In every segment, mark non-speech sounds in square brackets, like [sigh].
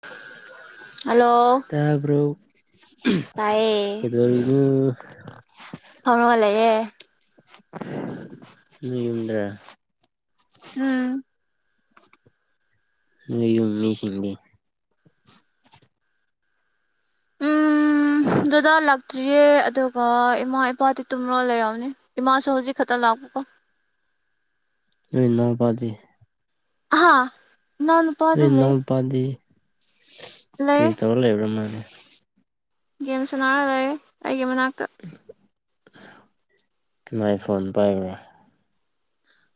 [inaudible] ꯍꯥꯜꯂꯣ ꯇꯥꯕ꯭ꯔꯣ ꯇꯥꯏꯌꯦ ꯀꯩꯗꯧꯔꯤꯅꯣ ꯐꯃꯒ ꯂꯩꯌꯦ ꯌꯨꯝꯗ ꯎꯝ ꯅꯣꯢ ꯌꯨꯝ ꯃꯤꯁꯤꯡꯗꯤ ꯗꯥꯗꯥ ꯂꯥꯛꯇ꯭ꯔꯤꯌꯦ ꯑꯗꯨꯒ ꯏꯃꯥ ꯏꯄꯥꯗꯤ ꯇꯨꯝꯔꯒ ꯂꯩꯔꯝꯅꯤ ꯏꯃꯥꯁꯨ ꯍꯧꯖꯤꯛ ꯈꯠꯇ ꯂꯥꯛꯄꯀꯣ ꯅꯣꯢ ꯅꯥꯎꯄꯗꯤ ꯍꯥ ꯅꯥꯎ ꯅꯣꯏ ꯅꯥꯎꯄꯥꯗꯤ ꯀ꯭ꯔꯤ ꯂꯩ ꯇꯧꯔ ꯂꯩꯕ꯭ꯔ ꯃꯥꯗꯤ ꯒꯦꯝ ꯁꯥꯟꯅꯥꯔ ꯂꯩꯌꯦ ꯑꯩꯒꯤ ꯃꯅꯥꯛꯇ ꯀꯅꯥꯏ ꯐꯣꯟ ꯄꯥꯏꯕ꯭ꯔꯥ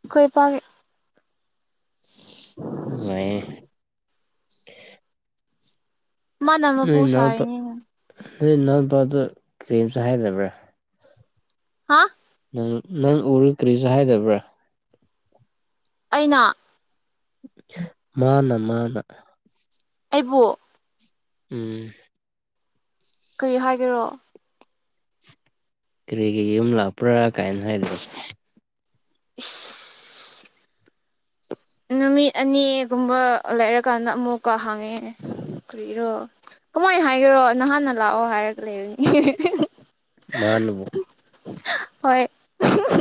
ꯑꯈꯣꯏ ꯏꯄꯥꯒꯤ ꯋꯥꯌꯦ ꯃꯥꯅ ꯃꯄꯨ ꯅꯣꯏ ꯅꯥꯎꯄꯥ ꯁꯥꯔꯤꯅꯤꯅ ꯅꯣꯏ ꯏꯅꯥꯎꯄꯥꯗ ꯀꯔꯤꯝꯁꯨ ꯍꯥꯏꯗꯕ꯭ꯔꯥ ꯍꯥ ꯎꯝ ꯅꯪ ꯎꯔ ꯀꯔꯤꯁꯨ ꯍꯥꯏꯗꯕ꯭ꯔꯥ ꯑꯩꯅ ꯃꯥꯅ ꯃꯥꯅ ꯑꯩꯕꯨ ꯎꯝ ꯀꯔꯤ ꯍꯥꯏꯒꯦꯔꯣ ꯀꯔꯤꯒꯤ ꯌꯨꯝ ꯂꯥꯛꯄ꯭ꯔꯥ ꯀꯥꯏꯅ ꯍꯥꯏꯗ ꯏꯁ ꯅꯨꯃꯤꯠ ꯑꯅꯤꯒꯨꯝꯕ ꯂꯩꯔꯀꯥꯟꯗ ꯑꯃꯨꯛꯀ ꯍꯪꯉꯦ ꯀꯔꯤꯔꯣ ꯀꯃꯥꯏꯟ ꯍꯥꯏꯒꯦꯔꯣ ꯅꯍꯥꯟꯅ ꯂꯥꯛꯑꯣ ꯍꯥꯏꯔꯒ ꯂꯩꯕꯅꯤ [unintelligible] ꯃꯥꯅꯕꯨ ꯍꯣꯏ [unintelligible]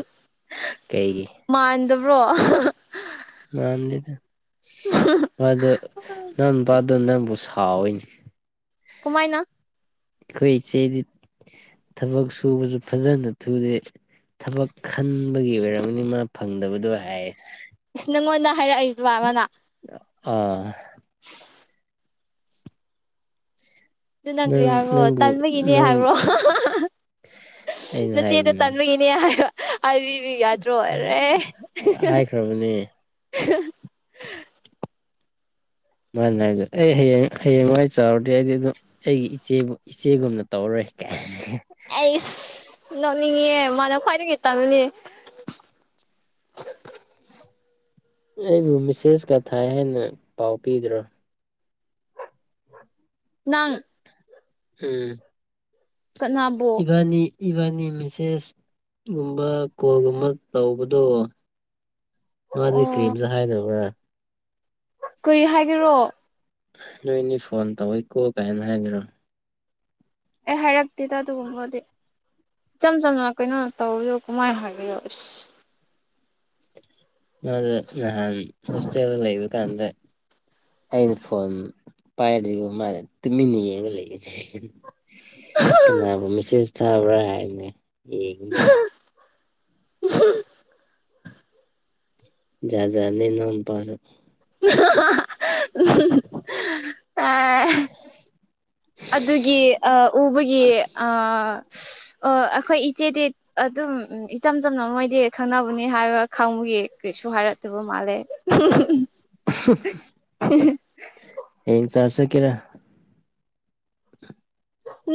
ꯀꯩꯒꯤ ꯃꯥꯟꯗꯕ꯭ꯔꯣ ꯃꯥꯥꯟꯗꯦꯗ ꯃꯥꯗꯣ ꯅꯥꯎꯅꯨꯄꯥꯗꯣ ꯅꯪꯕꯨ ꯁꯥꯎꯋꯤꯅꯤ ꯀꯃꯥꯏꯅ ꯑꯩꯈꯣꯏ ꯏꯆꯦꯗꯤ ꯊꯕꯛ ꯁꯨꯕꯁꯨ ꯐꯖꯅ ꯊꯨꯗꯦ ꯊꯕꯛ ꯈꯟꯕꯒꯤ ꯑꯣꯏꯔꯝꯒꯅꯤ ꯃꯥ ꯐꯪꯗꯕꯗꯣ ꯍꯥꯏꯌꯦ ꯏꯁ ꯅꯪꯉꯣꯟꯗ ꯍꯥꯏꯔꯛꯏꯕ ꯃꯅꯥ ꯑꯥ ꯏꯁ ꯑꯗꯨ ꯅꯪ ꯀ꯭ꯔꯤ ꯍꯥꯏꯕ꯭ꯔꯣ ꯅꯪꯕꯨ ꯇꯟꯕꯒꯤꯅꯦ ꯅꯪ ꯍꯥꯏꯕ꯭ꯔꯣ [unintelligible] ꯑꯩꯅ ꯅꯆꯦꯗꯣ ꯍꯥꯏꯕꯅꯤ ꯇꯟꯕꯒꯤ ꯅꯦ ꯍꯥꯏꯕ ꯍꯥꯏꯕꯤꯕꯤ ꯌꯥꯗ꯭ꯔꯣ ꯑꯔꯦ ꯍꯥꯏꯈ꯭ꯔꯕꯅꯦ ꯃꯥꯅ ꯍꯥꯏꯕꯗꯨ ꯑꯩ ꯍꯌꯦꯡ ꯍꯌꯦꯡꯋꯥꯏ ꯆꯥꯎꯔꯗꯤ ꯑꯩꯗꯤ ꯑꯗꯨꯝ ꯑꯩꯒꯤ ꯏꯆꯦꯕꯨ ꯏꯆꯦꯒꯨꯝꯅ ꯇꯧꯔꯔꯣꯏ ꯀꯥꯏ ꯑꯩꯁ ꯅꯣꯛꯅꯤꯡꯉꯤꯍꯦ ꯃꯥꯅ ꯈ꯭ꯋꯥꯏꯗꯒꯤ ꯇꯜꯂꯤ ꯑꯦ ꯑꯩꯕꯨ ꯃꯤꯁꯦꯁ ꯀꯥ ꯊꯥꯏ ꯍꯥꯏꯅ ꯄꯥꯎ ꯄꯤꯗ꯭ꯔꯣ ꯅꯪ ꯑꯦ ꯀꯅꯥꯕꯨ ꯏꯕꯥꯅꯤ ꯏꯕꯥꯅꯤ ꯃꯤꯁꯦꯁ ꯒꯨꯝꯕ ꯀꯣꯜꯒꯨꯝꯕ ꯇꯧꯕꯗꯣ ꯅꯉꯣꯟꯗ ꯑꯣ ꯀ꯭ꯔꯤꯝꯇ ꯍꯥꯏꯗꯕ꯭ꯔꯥ ꯀꯨꯏ ꯍꯥꯏꯒꯦꯔꯣ ꯅꯣꯏꯅꯤ ꯐꯣꯟ ꯇꯧꯋꯦꯀꯣ ꯀꯥꯏꯅ ꯍꯥꯏꯒꯦꯔꯣ ꯑꯦ ꯍꯥꯏꯔꯛꯇꯦꯗ ꯑꯗꯨꯒꯨꯝꯕꯗꯤ ꯏꯆꯝ ꯆꯝꯅ ꯀꯩꯅꯣ ꯇꯧꯕꯗꯨ ꯀꯃꯥꯏ ꯍꯥꯏꯒꯦꯔꯣ ꯏꯁ ꯃꯣꯟꯗ ꯅꯍꯥꯟ ꯍꯣꯁꯇꯦꯜꯗ ꯂꯩꯕ ꯀꯥꯟꯗ ꯑꯩꯅ ꯐꯣꯟ ꯄꯥꯏꯗ꯭ꯔꯤꯕ ꯃꯥꯅ ꯇꯨꯃꯤꯟꯅ ꯌꯦꯡꯉ ꯂꯩꯌꯦꯅꯦ ꯀꯅꯥꯕꯨꯨ ꯃꯤꯁꯦꯁ ꯊꯥꯕ꯭ꯔꯥ ꯍꯥꯏꯅ ꯌꯦꯡꯉꯤ ꯃꯥꯜ [unintelligible] ꯖꯥꯠ ꯖꯥꯠꯅꯦ ꯅꯪ ꯅꯨꯄꯥꯁꯨ [unintelligible] ꯑꯦ [unintelligible] ꯑꯗꯨꯒꯤ ꯑꯥ ꯎꯕꯒꯤ ꯑꯥ ꯑꯥ ꯑꯩꯈꯣꯏ ꯏꯆꯦꯗꯤ ꯑꯗꯨꯝ ꯏꯆꯝ ꯆꯝꯅ ꯃꯣꯏꯗꯤ ꯈꯪꯅꯕꯅꯤ ꯍꯥꯏꯕ ꯈꯪꯕꯒꯤ ꯀꯩꯁꯨ ꯍꯥꯏꯔꯛꯇꯕ ꯃꯥꯜꯂꯦ ꯌꯦꯡ ꯆ꯭ꯔꯁ ꯆꯠꯀꯦꯔꯥ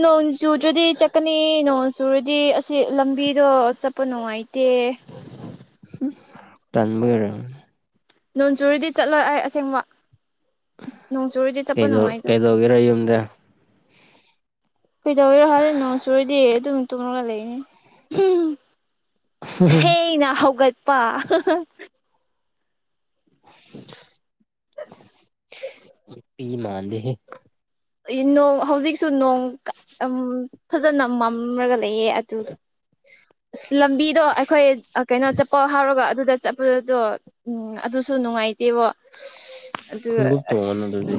ꯅꯣꯟ ꯆꯨꯗ꯭ꯔꯥꯗꯤ ꯆꯠꯀꯅꯤ ꯅꯣꯟ ꯆꯨꯔꯗꯤ ꯑꯁꯤ ꯂꯝꯕꯤꯗꯣ ꯆꯠꯄ ꯅꯨꯡꯉꯥꯏꯇꯦ ꯇꯥꯟꯕꯩ ꯑꯣꯏꯔꯝ ꯅꯣꯡ ꯆꯨꯔꯤꯗꯤ ꯆꯠꯂꯣꯏ ꯑꯩ ꯑꯁꯦꯡꯕ ꯅꯣꯡ ꯆꯨꯔꯤꯗꯤ ꯆꯠꯄ ꯅꯨꯡꯉꯥꯏ ꯀꯔ ꯌꯨꯝꯗ ꯀꯩꯗꯧꯔꯦ ꯍꯥꯏꯔꯦ ꯅꯣꯟ ꯆꯨꯔꯗꯤ ꯑꯗꯨꯝ ꯇꯨꯝꯃꯒ ꯂꯩꯅꯤ ꯊꯦꯡꯅ ꯍꯧꯒꯠꯄ [inaudible] ꯆꯨꯄꯤ ꯃꯥꯥꯟꯗꯦꯍꯦ ꯅꯣꯡ ꯍꯧꯖꯤꯛꯁꯨ ꯅꯣꯡ ꯑꯝ ꯐꯖꯅ ꯃꯝꯔꯒ ꯂꯩꯌꯦ ꯑꯗꯨ ꯑꯁ ꯂꯝꯕꯤꯗꯣ ꯑꯩꯈꯣꯏ ꯀꯩꯅꯣ ꯆꯠꯄ ꯍꯥꯎꯔꯒ ꯑꯗꯨꯗ [unintelligible] ꯎꯝ ꯑꯗꯨꯁꯨ ꯅꯨꯡꯉꯥꯏꯇꯦꯕ ꯑꯗꯨ ꯈꯣꯡꯎꯞ ꯇꯣꯡꯉꯅꯨ ꯑꯁ ꯑꯗꯨꯗꯤ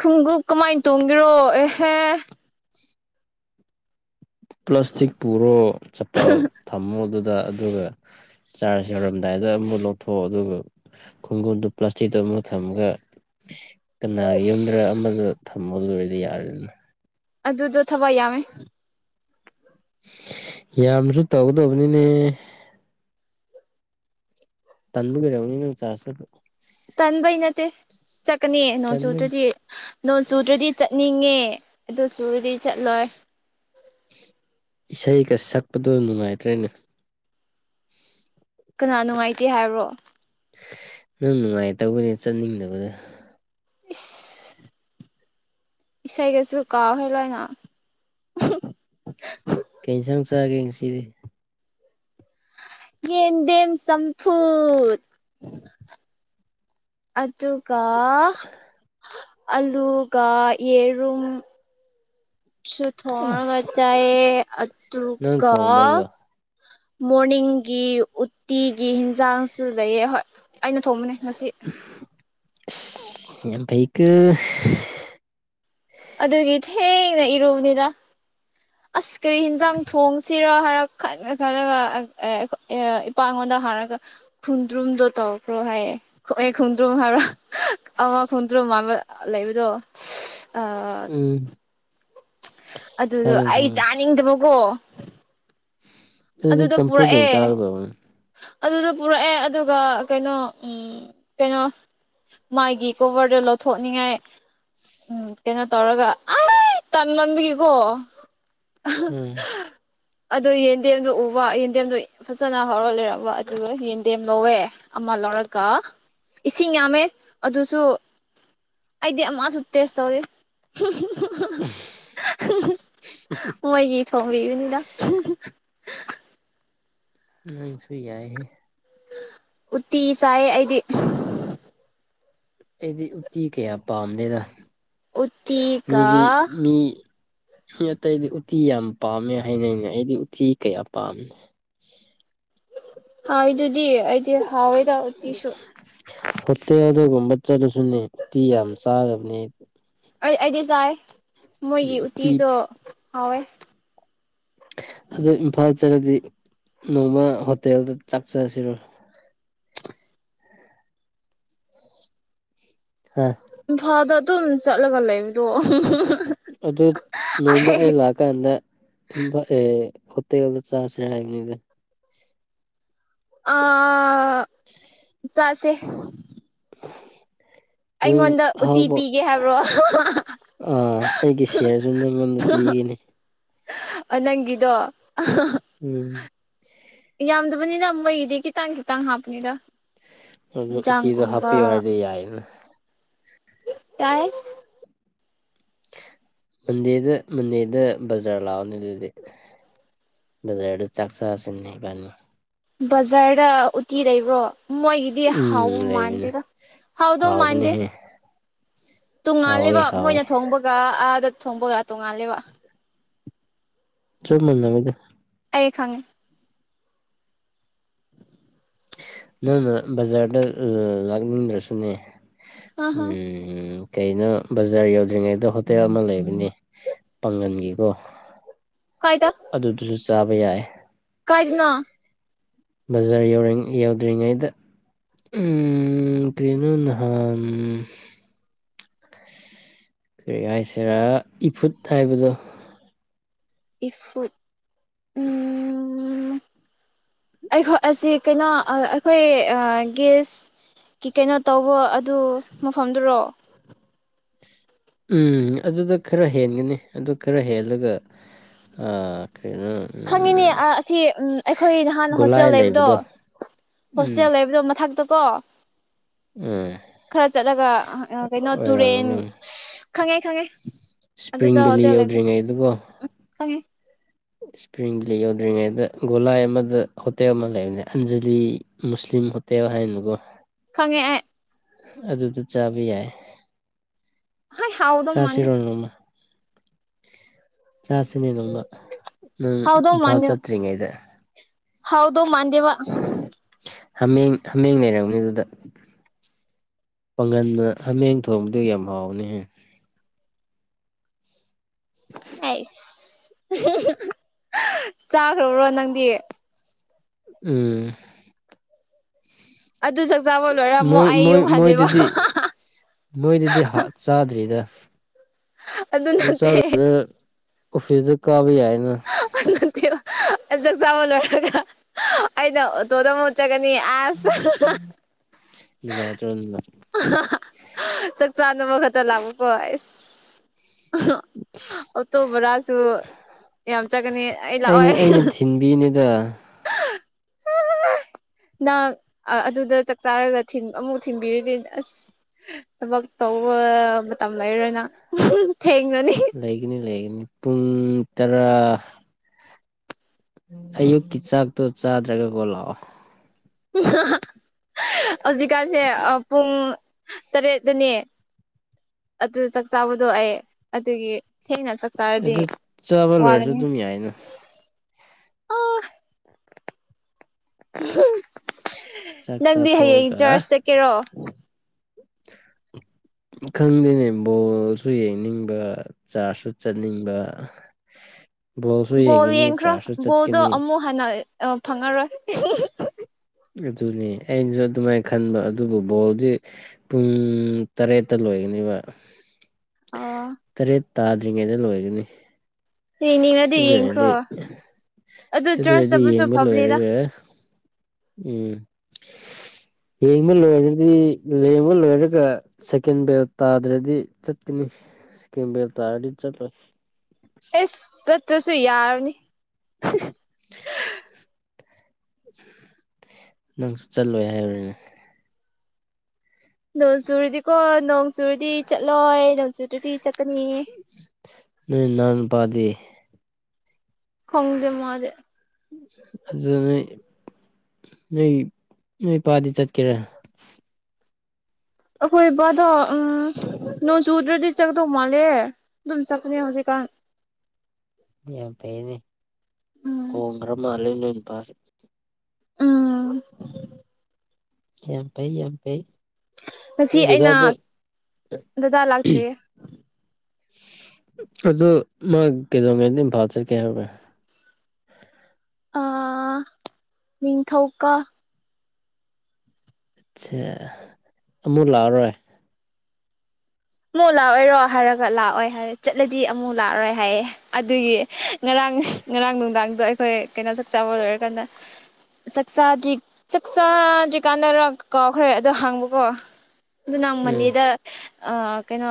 ꯈꯣꯡꯒꯨꯞ ꯀꯃꯥꯏꯅ ꯇꯣꯡꯒꯦꯔꯣ ꯑꯦꯍꯦ ꯄ꯭ꯂꯥꯁꯇꯤꯛ ꯄꯨꯔꯣ ꯆꯄꯜ ꯊꯝꯃꯣ ꯑꯗꯨꯗ ꯑꯗꯨꯒ ꯆꯥꯔꯖ ꯌꯧꯔꯝꯗꯥꯏꯗ ꯑꯃꯨꯛ ꯂꯧꯊꯣꯛꯑꯣ ꯑꯗꯨꯒ ꯈꯨꯡꯒꯨꯞꯗꯨ ꯄ꯭ꯂꯥꯁꯇꯤꯛꯇ ꯑꯃ ꯊꯝꯃꯒ ꯀꯅꯥꯒꯤ ꯌꯨꯝꯗ꯭ꯔ ꯑꯃꯗ ꯊꯝꯃꯣ ꯑꯗꯨ ꯑꯣꯏꯔꯗꯤ ꯌꯥꯔꯦꯗꯅ ꯑꯗꯨꯗꯣ ꯊꯕꯛ ꯌꯥꯝꯃꯦ ꯌꯥꯝꯅꯁꯨ ꯇꯧꯗꯧꯕꯅꯤꯅꯦ ꯇꯟꯕꯒꯤ ꯑꯣꯏꯔꯝꯒꯤ ꯅꯪ ꯆ꯭ꯔꯁ ꯑꯗꯨ ꯇꯟꯕꯩ ꯅꯠꯇꯦ ꯆꯠꯀꯅꯤ ꯅꯣꯡꯆꯨ ꯇꯟꯕꯩꯅꯤ ꯆꯨꯗ꯭ꯔꯗꯤ ꯅꯣꯡ ꯆꯨꯗ꯭ꯔꯗꯤ ꯆꯠꯅꯤꯡꯉꯦ ꯑꯗꯨ ꯆꯨꯔꯗꯤ ꯆꯠꯂꯣꯏ ꯏꯁꯩꯀ ꯁꯛꯄꯗꯣ ꯅꯨꯡꯉꯥꯏꯇ꯭ꯔꯥꯅꯦ ꯀꯅꯥ ꯅꯨꯡꯉꯥꯏꯇꯦ ꯍꯥꯏꯕ꯭ꯔꯣ ꯅꯪ ꯅꯨꯡꯉꯥꯏꯇꯕꯒꯩ ꯆꯠꯅꯤꯡꯗꯕꯗ ꯏꯁ ꯏꯁꯩꯒꯁꯨ ꯀꯥꯎꯈ꯭ꯔꯦ ꯂꯣꯏꯅ ꯀꯩ ꯌꯦꯟꯁꯥꯡ ꯆꯥꯒꯦ ꯉꯁꯤꯗꯤ ꯌꯦꯟꯗꯦꯝ ꯁꯝꯐꯨꯠ ꯑꯗꯨꯒ ꯑꯂꯨꯒ ꯌꯦꯔꯨꯝ ꯁꯨ ꯑꯣ ꯊꯣꯡꯑꯒ ꯑꯗꯨꯒ ꯅꯪ ꯊꯣꯡꯕ꯭ꯔꯥ ꯑꯗꯨꯒꯒ ꯑꯗꯨꯗꯣ ꯃꯣꯔꯅꯤꯡꯒꯤ ꯎꯇꯤꯒꯤ ꯍꯟꯁꯥꯡꯁꯨ ꯂꯩꯑ ꯍꯣꯏ ꯑꯩꯅ ꯊꯣꯡꯕꯅꯦ ꯉꯁꯤ ꯩꯛ [inaudible] ꯑꯗꯨꯒꯤ ꯊꯦꯡꯅ ꯏꯔꯨꯕꯅꯤꯗ ꯑꯁ ꯀꯔꯤ ꯌꯦꯤꯟꯖꯥꯡ ꯊꯣꯡꯁꯤꯔ ꯍꯥꯏꯔ ꯈꯜꯂ ꯈꯜꯂꯒ ꯏꯄꯥꯉꯣꯟꯗ ꯍꯥꯏꯔꯒ ꯈꯨꯟꯗ꯭ꯔꯨꯝꯗꯣ ꯇꯧꯈ꯭ꯔꯣ ꯍꯥꯏꯌꯦ ꯍꯑ ꯈꯣꯡꯗ꯭ꯔꯨꯝ ꯍꯥꯏꯕ꯭ꯔꯥ ꯑꯃ ꯈꯣꯡꯗ꯭ꯔꯨꯝ ꯃꯟꯕꯗꯣ ꯂꯩꯕꯗꯣ ꯑ ꯎꯝ ꯑꯗꯨꯗꯣ ꯈꯪꯉꯦ ꯑꯩ ꯈꯪꯉꯦ ꯆꯥꯅꯤꯡꯗꯕꯀꯣ ꯑꯗꯨꯗꯤ ꯑꯗꯨꯗ ꯆꯝꯐꯨꯠ ꯑꯣꯏꯅ ꯄꯨꯔꯛꯑꯦ ꯆꯥꯒꯗꯕꯅꯤ ꯑꯗꯨꯗ ꯄꯨꯔꯛꯑꯦ ꯑꯗꯨꯒ ꯀꯩꯅꯣ ꯎ ꯀꯩꯅꯣ ꯃꯥꯥꯏꯒꯤ ꯀꯣꯚꯔꯗ ꯂꯧꯊꯣꯛꯅꯤꯡꯉꯥꯏ ꯎꯝ ꯀꯩꯅꯣ ꯇꯧꯔꯒ ꯑ ꯇꯥꯟ ꯃꯟꯕꯒꯤꯀꯣ ꯎꯝ ꯑꯗꯨ ꯌꯦꯟꯗꯦꯝꯗꯨꯣ ꯎꯕ ꯌꯦꯟꯗꯦꯝꯗꯣ ꯐꯖꯅ ꯍꯧꯔ ꯂꯩꯔꯕ ꯑꯗꯨꯒ ꯌꯦꯟꯗꯦꯝ ꯂꯧꯋꯦ ꯑꯃ ꯂꯧꯔꯒ ꯏꯁꯤꯡ ꯌꯥꯝꯃꯦ ꯑꯗꯨꯁꯨ ꯑꯩꯗꯤ ꯑꯃꯁꯨ ꯇꯦꯁ ꯇꯧꯔꯤ ꯃꯣꯏꯒꯤ ꯊꯣꯡꯕꯤꯕꯅꯤꯗ ꯅꯪ ꯁꯨ ꯌꯥꯏꯍꯦ ꯎꯠꯇꯤ ꯆꯥꯏ ꯑꯩꯗꯤ ꯑꯩꯗꯤ ꯎꯠꯇꯤ ꯀꯌꯥ ꯄꯥꯝꯗꯗꯥ ꯎꯇꯤꯒ ꯃꯤꯗꯤ ꯃꯤ ꯃꯤ ꯑꯇꯩꯗꯤ ꯎꯇꯤ ꯌꯥꯝ ꯄꯥꯝꯃꯦ ꯍꯥꯏꯅꯅ ꯑꯩꯗꯤ ꯎꯇꯤ ꯀꯌꯥ ꯄꯥꯝꯃꯦ ꯍꯥꯎꯏꯗꯨꯗꯤ ꯑꯩꯗꯤ ꯍꯥꯎꯋꯦꯗ ꯎꯇꯤꯁꯨ ꯍꯣꯇꯦꯜ ꯑꯗꯨꯒꯨꯝꯕ ꯆꯠꯂꯁꯨꯅꯦ ꯎꯇꯤ ꯌꯥꯝ ꯆꯥꯗꯕꯅꯤ ꯑꯩ ꯑꯩꯗꯤ ꯆꯥꯏ ꯃꯣꯏꯒꯤ ꯎꯇꯤ ꯎꯇꯤꯗꯣ ꯍꯥꯎꯋꯦ ꯑꯗꯨ ꯏꯝꯐꯥꯜ ꯆꯠꯂꯗꯤ ꯅꯣꯡꯃ ꯍꯣꯇꯦꯜꯗ ꯆꯥꯛꯆꯔꯁꯤꯔꯣꯏ ꯍꯥꯥ ꯏꯝꯐꯥꯜꯗ ꯑꯗꯨꯝ ꯆꯠꯂꯒ ꯂꯩꯕꯗꯣ ꯑꯗꯨ ꯅꯣꯡꯃ ꯑꯩ ꯂꯥꯛꯑꯀꯥꯟꯗ ꯑꯦ ꯍꯧꯠꯇꯜꯗ ꯆꯁꯤ ꯍꯥꯏꯕ ꯑ ꯆꯥꯁꯦ ꯅꯪ ꯑꯩꯉꯣꯟꯗ ꯎꯇꯤ ꯄꯤꯒꯦ ꯍꯥꯏꯕ꯭ꯔꯣ ꯑ ꯑꯩꯒꯤ ꯁꯤꯜꯁꯨ ꯅꯪꯉꯣꯟꯗ ꯄꯤꯈꯤꯅꯤ ꯅꯪꯒꯤꯗꯣ ꯎꯝ ꯌꯥꯝꯗꯕꯅꯤꯅ ꯃꯣꯢꯒꯤꯗꯤ ꯈꯤꯇꯪ ꯈꯤꯇꯪ ꯍꯥꯞꯄꯅꯤꯗ ꯑꯗꯣ ꯎꯇꯥꯗꯣ ꯏꯟꯖꯥꯡꯒꯨꯝꯕ ꯍꯞꯄꯤꯌꯨ ꯍꯥꯢꯔꯗꯤ ꯑꯥꯢꯗꯅꯥ ꯀꯥꯏ ꯃꯟꯗꯦꯗ ꯃꯟꯗꯦꯗ ꯕꯖꯔ ꯂꯥꯎꯑꯣꯅꯤ ꯑꯗꯨꯗꯤ ꯕꯖꯥꯔꯗ ꯆꯥꯛꯆꯥꯥꯁꯤ ꯕꯖꯥꯔꯗ ꯎꯇꯤ ꯂꯩꯕ꯭ꯔꯣ ꯃꯣꯏꯒꯤ ꯍꯥꯎꯕ ꯎꯝ ꯂꯩꯕꯅꯦ ꯃꯥꯥꯟꯗꯦꯗ ꯍꯥꯎꯗꯣ ꯃꯥꯥꯟꯗꯦ꯫ ꯍꯥꯎꯕꯅꯦꯍꯦ ꯍꯥꯎꯋꯦ ꯇꯣꯡꯉꯥꯜꯂꯦꯕ ꯍꯥꯎꯋꯦ ꯃꯣꯏꯅ ꯊꯣꯡꯕꯒ ꯑꯥꯗ ꯊꯣꯡꯕꯒ ꯇꯣꯡꯉꯥꯜꯂꯦꯕ ꯆꯞ ꯃꯥꯟꯅꯕꯅꯦꯗ ꯑꯩ ꯈꯪꯉꯦ꯫ ꯅꯪꯅ ꯕꯖꯥꯔꯗ ꯂꯥꯛꯅꯤꯡꯗ꯭ꯔꯁꯨꯅꯦ ꯑ ꯍ ꯎꯝ ꯀꯩꯅꯣ ꯕꯖꯥꯔ ꯌꯧꯗ꯭ꯔꯤꯉꯩꯗ ꯍꯣꯇꯦꯜ ꯑꯃ ꯂꯩꯕꯅꯦ‌ ꯄꯥꯡꯒꯟꯒꯤꯀꯣ ꯀꯥꯏꯗ ꯑꯗꯨꯗꯨꯁꯨ ꯆꯥꯕ ꯌꯥꯏ ꯀꯥꯏꯗꯅꯣ ꯕꯖꯥꯔ ꯌꯧꯔꯤꯡ ꯌꯧꯗ꯭ꯔꯤꯉꯩꯗ ꯎꯝ ꯀꯅꯣ ꯅꯍꯥꯟ ꯀꯔꯤ ꯍꯥꯏꯁꯤꯔꯥ ꯏꯐꯨꯠ ꯍꯥꯏꯕꯗꯣ ꯏꯐꯨꯠ ꯎꯝ [inaudible] ꯑꯩꯈꯣꯏ ꯑꯁꯤ ꯀꯩꯅꯣ ꯑꯩꯈꯣꯏ ꯑꯥ ꯒꯦꯁ ꯀꯤ ꯀꯩꯅꯣ ꯇꯧꯕ ꯑꯗꯨ ꯃꯐꯝꯗꯨꯔꯣ ꯎꯝ ꯑꯗꯨꯗꯥ ꯈꯔ ꯍꯦꯟꯒꯅꯤ ꯑꯗꯨ ꯈꯔ ꯍꯦꯜꯂꯒ ꯑ ꯀꯔꯤꯅꯣ ꯈꯪꯉꯤꯅꯦ ꯑ ꯑꯁꯤ ꯎꯝ ꯑꯩꯈꯣꯏ ꯅꯍꯥꯟ ꯍꯣꯁꯇꯦꯜ ꯂꯩꯕꯗꯣ ꯎꯝ ꯍꯣꯁꯇꯦꯜ ꯂꯩꯕꯗꯣ ꯃꯊꯛꯇ ꯀꯣ ꯎꯝ ꯈꯔ ꯆꯠꯂꯒ ꯀꯩꯅꯣ ꯇꯨꯔꯦꯟ ꯑꯣꯏꯔꯝꯒꯅꯤ ꯈꯪꯉꯦ ꯈꯪꯉꯦ ꯏꯁꯄ꯭ꯔꯤꯡ ꯑꯗꯨꯗ ꯍꯣꯇꯦꯜ ꯚꯦꯂꯤ ꯂꯩꯕꯗꫭ ꯈꯪꯑꯦ ꯌꯧꯗ꯭ꯔꯤꯉꯩꯗꯀꯣ ꯎꯝ ꯈꯪꯑꯦ ꯏꯁꯄ꯭ꯔꯤꯡꯂꯤ ꯌꯧꯗ꯭ꯔꯤꯉꯩꯗ ꯒꯣꯂꯥꯏ ꯑꯃꯗ ꯍꯣꯇꯦꯜ ꯑꯃ ꯂꯩꯕꯅꯦ ꯑꯟꯖꯥꯂꯤ ꯃꯨꯁꯂꯤꯝ ꯍꯣꯇꯦꯜ ꯍꯥꯏꯅꯀꯣ ꯈꯪꯉꯦ ꯑꯩ ꯑꯗꯨꯗꯨ ꯆꯥꯕ ꯌꯥꯏ꯫ ꯍꯥꯏ ꯍꯥꯎꯗꯧꯃꯥꯟꯗꯦ ꯆꯥꯁꯤꯔꯣ ꯅꯣꯡꯃ ꯆꯥꯁꯤꯅꯦ ꯅꯣꯡꯃ ꯅꯪ ꯍꯥꯎꯗꯧ ꯏꯝꯐꯥꯜ ꯃꯥꯟꯗꯦ ꯆꯠꯇ꯭ꯔꯤꯉꯩꯗ ꯍꯥꯎꯗꯧ ꯃꯥꯟꯗꯦꯕ ꯍꯥꯃꯦꯡ ꯍꯥꯃꯦꯡ ꯂꯩꯔꯝꯅꯤ ꯑꯗꯨꯗ ꯄꯥꯡꯒꯟꯗ ꯍꯥꯃꯦꯡ ꯊꯣꯡꯕꯗꯨ ꯌꯥꯝ ꯍꯥꯎꯕꯅꯦꯍꯦ [inaudible] ꯑꯩꯁ ꯆꯥꯈ꯭ꯔꯕꯔꯣ ꯅꯪꯗꯤ ꯎꯝ꯫ ꯑꯗꯨ ꯆꯥꯛꯆꯥꯕ ꯂꯣꯏꯔ ꯑꯃꯨꯛ ꯑꯩ ꯌꯨꯝ ꯍꯟꯗꯣꯏꯕ ꯃꯣꯏꯗꯨꯗꯤ ꯍꯥ ꯆꯥꯗ꯭ꯔꯤꯗ ꯑꯗꯨ ꯆꯥꯔꯨꯔꯒ ꯑꯣꯐꯤꯁꯖꯥ ꯀꯥꯕ ꯌꯥꯏꯅ ꯅꯠꯇꯦꯕ ꯆꯥꯛ ꯆꯥꯕ ꯂꯣꯏꯔꯒ ꯑꯩꯅ ꯑꯣꯇꯣꯗ ꯑꯃꯨꯛ ꯆꯥꯒꯅꯤ ꯑꯁꯦ ꯅꯨꯡꯉꯥꯏ ꯇꯔꫭ ꯑꯗꯨꯗꫭ ꯆꯥꯛ ꯆꯥꯅꯕ ꯈꯛꯇ ꯂꯥꯛꯄꯀꯣ ꯑꯁ ꯑꯣꯇꯣ ꯕꯔꯥꯁꯨ ꯌꯥꯝ ꯆꯠꯀꯅꯤ ꯑꯩ ꯂꯥꯛꯑꯣꯏ ꯏꯅꯤꯗ ꯅꯪ ꯑꯗꯨꯗ ꯆꯥꯛ ꯆꯥꯔꯒ ꯊꯤꯟ ꯑꯃꯨꯛ ꯊꯤꯟꯕꯤꯔꯤꯗꯤ ꯑꯁ ꯊꯕꯛ ꯇꯧꯕ ꯃꯇꯝ ꯂꯩꯔꯣꯏꯅ ꯊꯦꯡꯅꯅꯤ ꯂꯩꯒꯅꯤ ꯂꯩꯒꯅꯤ ꯄꯨꯡ ꯇꯔꯥ ꯑꯌꯨꯛꯀꯤ ꯆꯥꯛꯇꯣ ꯆꯥꯗ꯭ꯔꯒ ꯀꯣꯜꯂꯛꯑꯣ ꯍꯧꯖꯤꯛꯀꯥꯟꯁꯦ ꯄꯨꯡ ꯇꯔꯦꯠꯇꯅꯦ ꯑꯗꯨ ꯆꯥꯛ ꯆꯥꯕꯗꯣ ꯑꯩ ꯑꯗꯨꯒꯤ ꯊꯦꯡꯅ ꯇꯔꯗꯤ ꯑꯗꯨ ꯆꯥꯕ ꯂꯣꯏꯔꯁꯨ ꯋꯥꯒꯅꯤ ꯑꯗꯨꯝ ꯌꯥꯏꯅ ꯆꯥꯛ ꯅꯪꯗꯤ ꯍꯌꯦꯡ ꯆꯥꯊꯣꯛꯑꯒ ꯆꯔꯆ ꯆꯠꯀꯦꯔꯣ [unintelligible] ꯈꯪꯗꯦꯅꯦ ꯕꯣꯜꯁꯨ ꯌꯦꯡꯅꯤꯡꯕ ꯆꯥꯔꯖꯁꯨ ꯆꯠꯅꯤꯡꯕ [unintelligible] ꯕꯣꯜ ꯌꯦꯡꯒꯅꯤ ꯌꯦꯡꯈ꯭ꯔꯣ ꯆꯥꯔꯖꯁꯨ ꯕꯣꯜꯗꯣ ꯆꯠꯀꯅꯤ ꯑꯃꯨꯛ ꯍꯟꯅ ꯐꯪꯉꯔꯣꯏ ꯑꯗꯨꯅꯤ ꯑꯩꯅꯁꯨ ꯑꯗꯨꯃꯥꯏꯅ ꯈꯟꯕ ꯑꯗꯨꯕꯨ ꯕꯣꯜꯗꯤ ꯄꯨꯡ ꯇꯔꯦꯠꯇ ꯂꯣꯏꯒꯅꯦꯕ ꯑꯣ ꯇꯔꯦꯠ ꯇꯥꯗ꯭ꯔꯤꯉꯩꯗ ꯂꯣꯏꯒꯅꯤ ꯌꯦꯡꯅꯤꯡꯉꯗꯤ ꯑꯗꯨꯔꯗꯤ ꯌꯦꯡꯈ꯭ꯔꯣ ꯑꯗꯨ ꯆꯔꯆ ꯑꯗꯨꯔꯗꯤ ꯆꯠꯄꯁꯨ ꯌꯦꯡꯕ ꯐꯕꯅꯤꯗ ꯂꯣꯏꯔꯒ ꯎꯝ ꯌꯦꯡꯕ ꯂꯣꯏꯔꯗꯤ ꯂꯦꯡꯕ ꯂꯣꯏꯔꯒ ꯁꯦꯀꯦꯟ ꯕꯦꯜ ꯇꯥꯗ꯭ꯔꯗꯤ ꯆꯠꯀꯅꯤ ꯁꯦꯀꯦꯟ ꯕꯦꯜ ꯇꯥꯔꯗꯤ ꯆꯠꯂꯅꯤ ꯑꯦꯁ ꯆꯠꯇ꯭ꯔꯁꯨ ꯌꯥꯔꯅꯤ [inaudible] ꯅꯪꯁꯨ ꯆꯠꯂꯣꯏ ꯍꯥꯏꯔꯔꯤꯅꯦ ꯅꯣꯡ ꯆꯨꯨꯔꯗꯤꯀꯣ ꯅꯣꯡ ꯆꯨꯔꯗꯤ ꯆꯠꯂꯣꯏ ꯅꯣꯡꯆꯨꯗꯗꯤ ꯆꯠꯀꯅꯤ ꯅ ꯅꯥꯅ ꯄꯥꯗꯦ ꯈꯣꯡꯗꯦ ꯃꯔꯦ ꯑꯗꯨ ꯅꯣꯏ ꯅꯣꯏ ꯅꯣꯏ ꯏꯄꯥꯗꯤ ꯆꯠꯀꯦꯔꯦ ꯑꯩꯈꯣꯏ ꯏꯕꯗꯣ ꯎꯝ ꯅꯣꯡ ꯆꯨꯗ꯭ꯔꯗꯤ ꯆꯥꯛꯗꯧ ꯃꯥꯜꯂꯦ ꯇꯝ ꯆ ꯐꯅꯦ ꯍꯧꯖꯤꯦ ꯀꯥꯟ ꯌꯥꯝ ꯐꯩꯅꯦ ꯎꯝ ꯍꯣꯡꯈ꯭ꯔ ꯃꯥꯜꯂꯦ ꯅꯣꯏꯅ ꯄꯥꯁꯦ ꯎꯝ ꯌꯥꯝ ꯐꯩ ꯌꯥꯝ ꯀꯩ ꯉꯁꯤ ꯑꯩꯅ ꯗꯗꯥ ꯂꯥꯛꯇ꯭ꯔꯤꯌꯦ ꯑꯗꯨ ꯃꯥ ꯀꯩꯗꯧꯉꯩꯗ ꯏꯝꯐꯥꯜ ꯆꯠꯀꯦ ꯍꯥꯏꯔꯕ꯭ꯔꯥ ꯑ ꯅꯤꯡꯊꯧꯀꯥ ꯁꯦ ꯑꯃꯨꯛ ꯂꯥꯛꯑꯔꯣꯏ ꯑꯃꯨꯛ ꯂꯥꯛꯑꯣꯏꯔꯣ ꯍꯥꯏꯔꯒ ꯂꯥꯛꯑꯣꯏ ꯍꯥꯏꯔ ꯆꯠꯂꯗꯤ ꯑꯃꯨꯛ ꯂꯥꯛꯔꯣꯏ ꯍꯥꯏꯌꯦꯦ ꯑꯗꯨꯒꯤ ꯉꯔꯥꯡ ꯉꯔꯥꯡ ꯅꯨꯡꯗꯥꯡꯗꯣ ꯑꯩꯈꯣꯏ ꯀꯩꯅꯣ ꯆ ꯆꯕ ꯂꯣꯏꯔꯀꯥꯟꯗ ꯆꯥꯛꯆꯥꯗꯤ ꯆꯥꯛꯆꯥꯗꯤ ꯀꯥꯟꯅꯔ ꯀꯥꯎꯈ꯭ꯔꯦ ꯑꯗꯣ ꯍꯥꯡꯕꯀꯣ ꯑꯗꯨ ꯅ ꯎꯝ ꯃꯅꯤꯗ ꯑ ꯀꯩꯅꯣ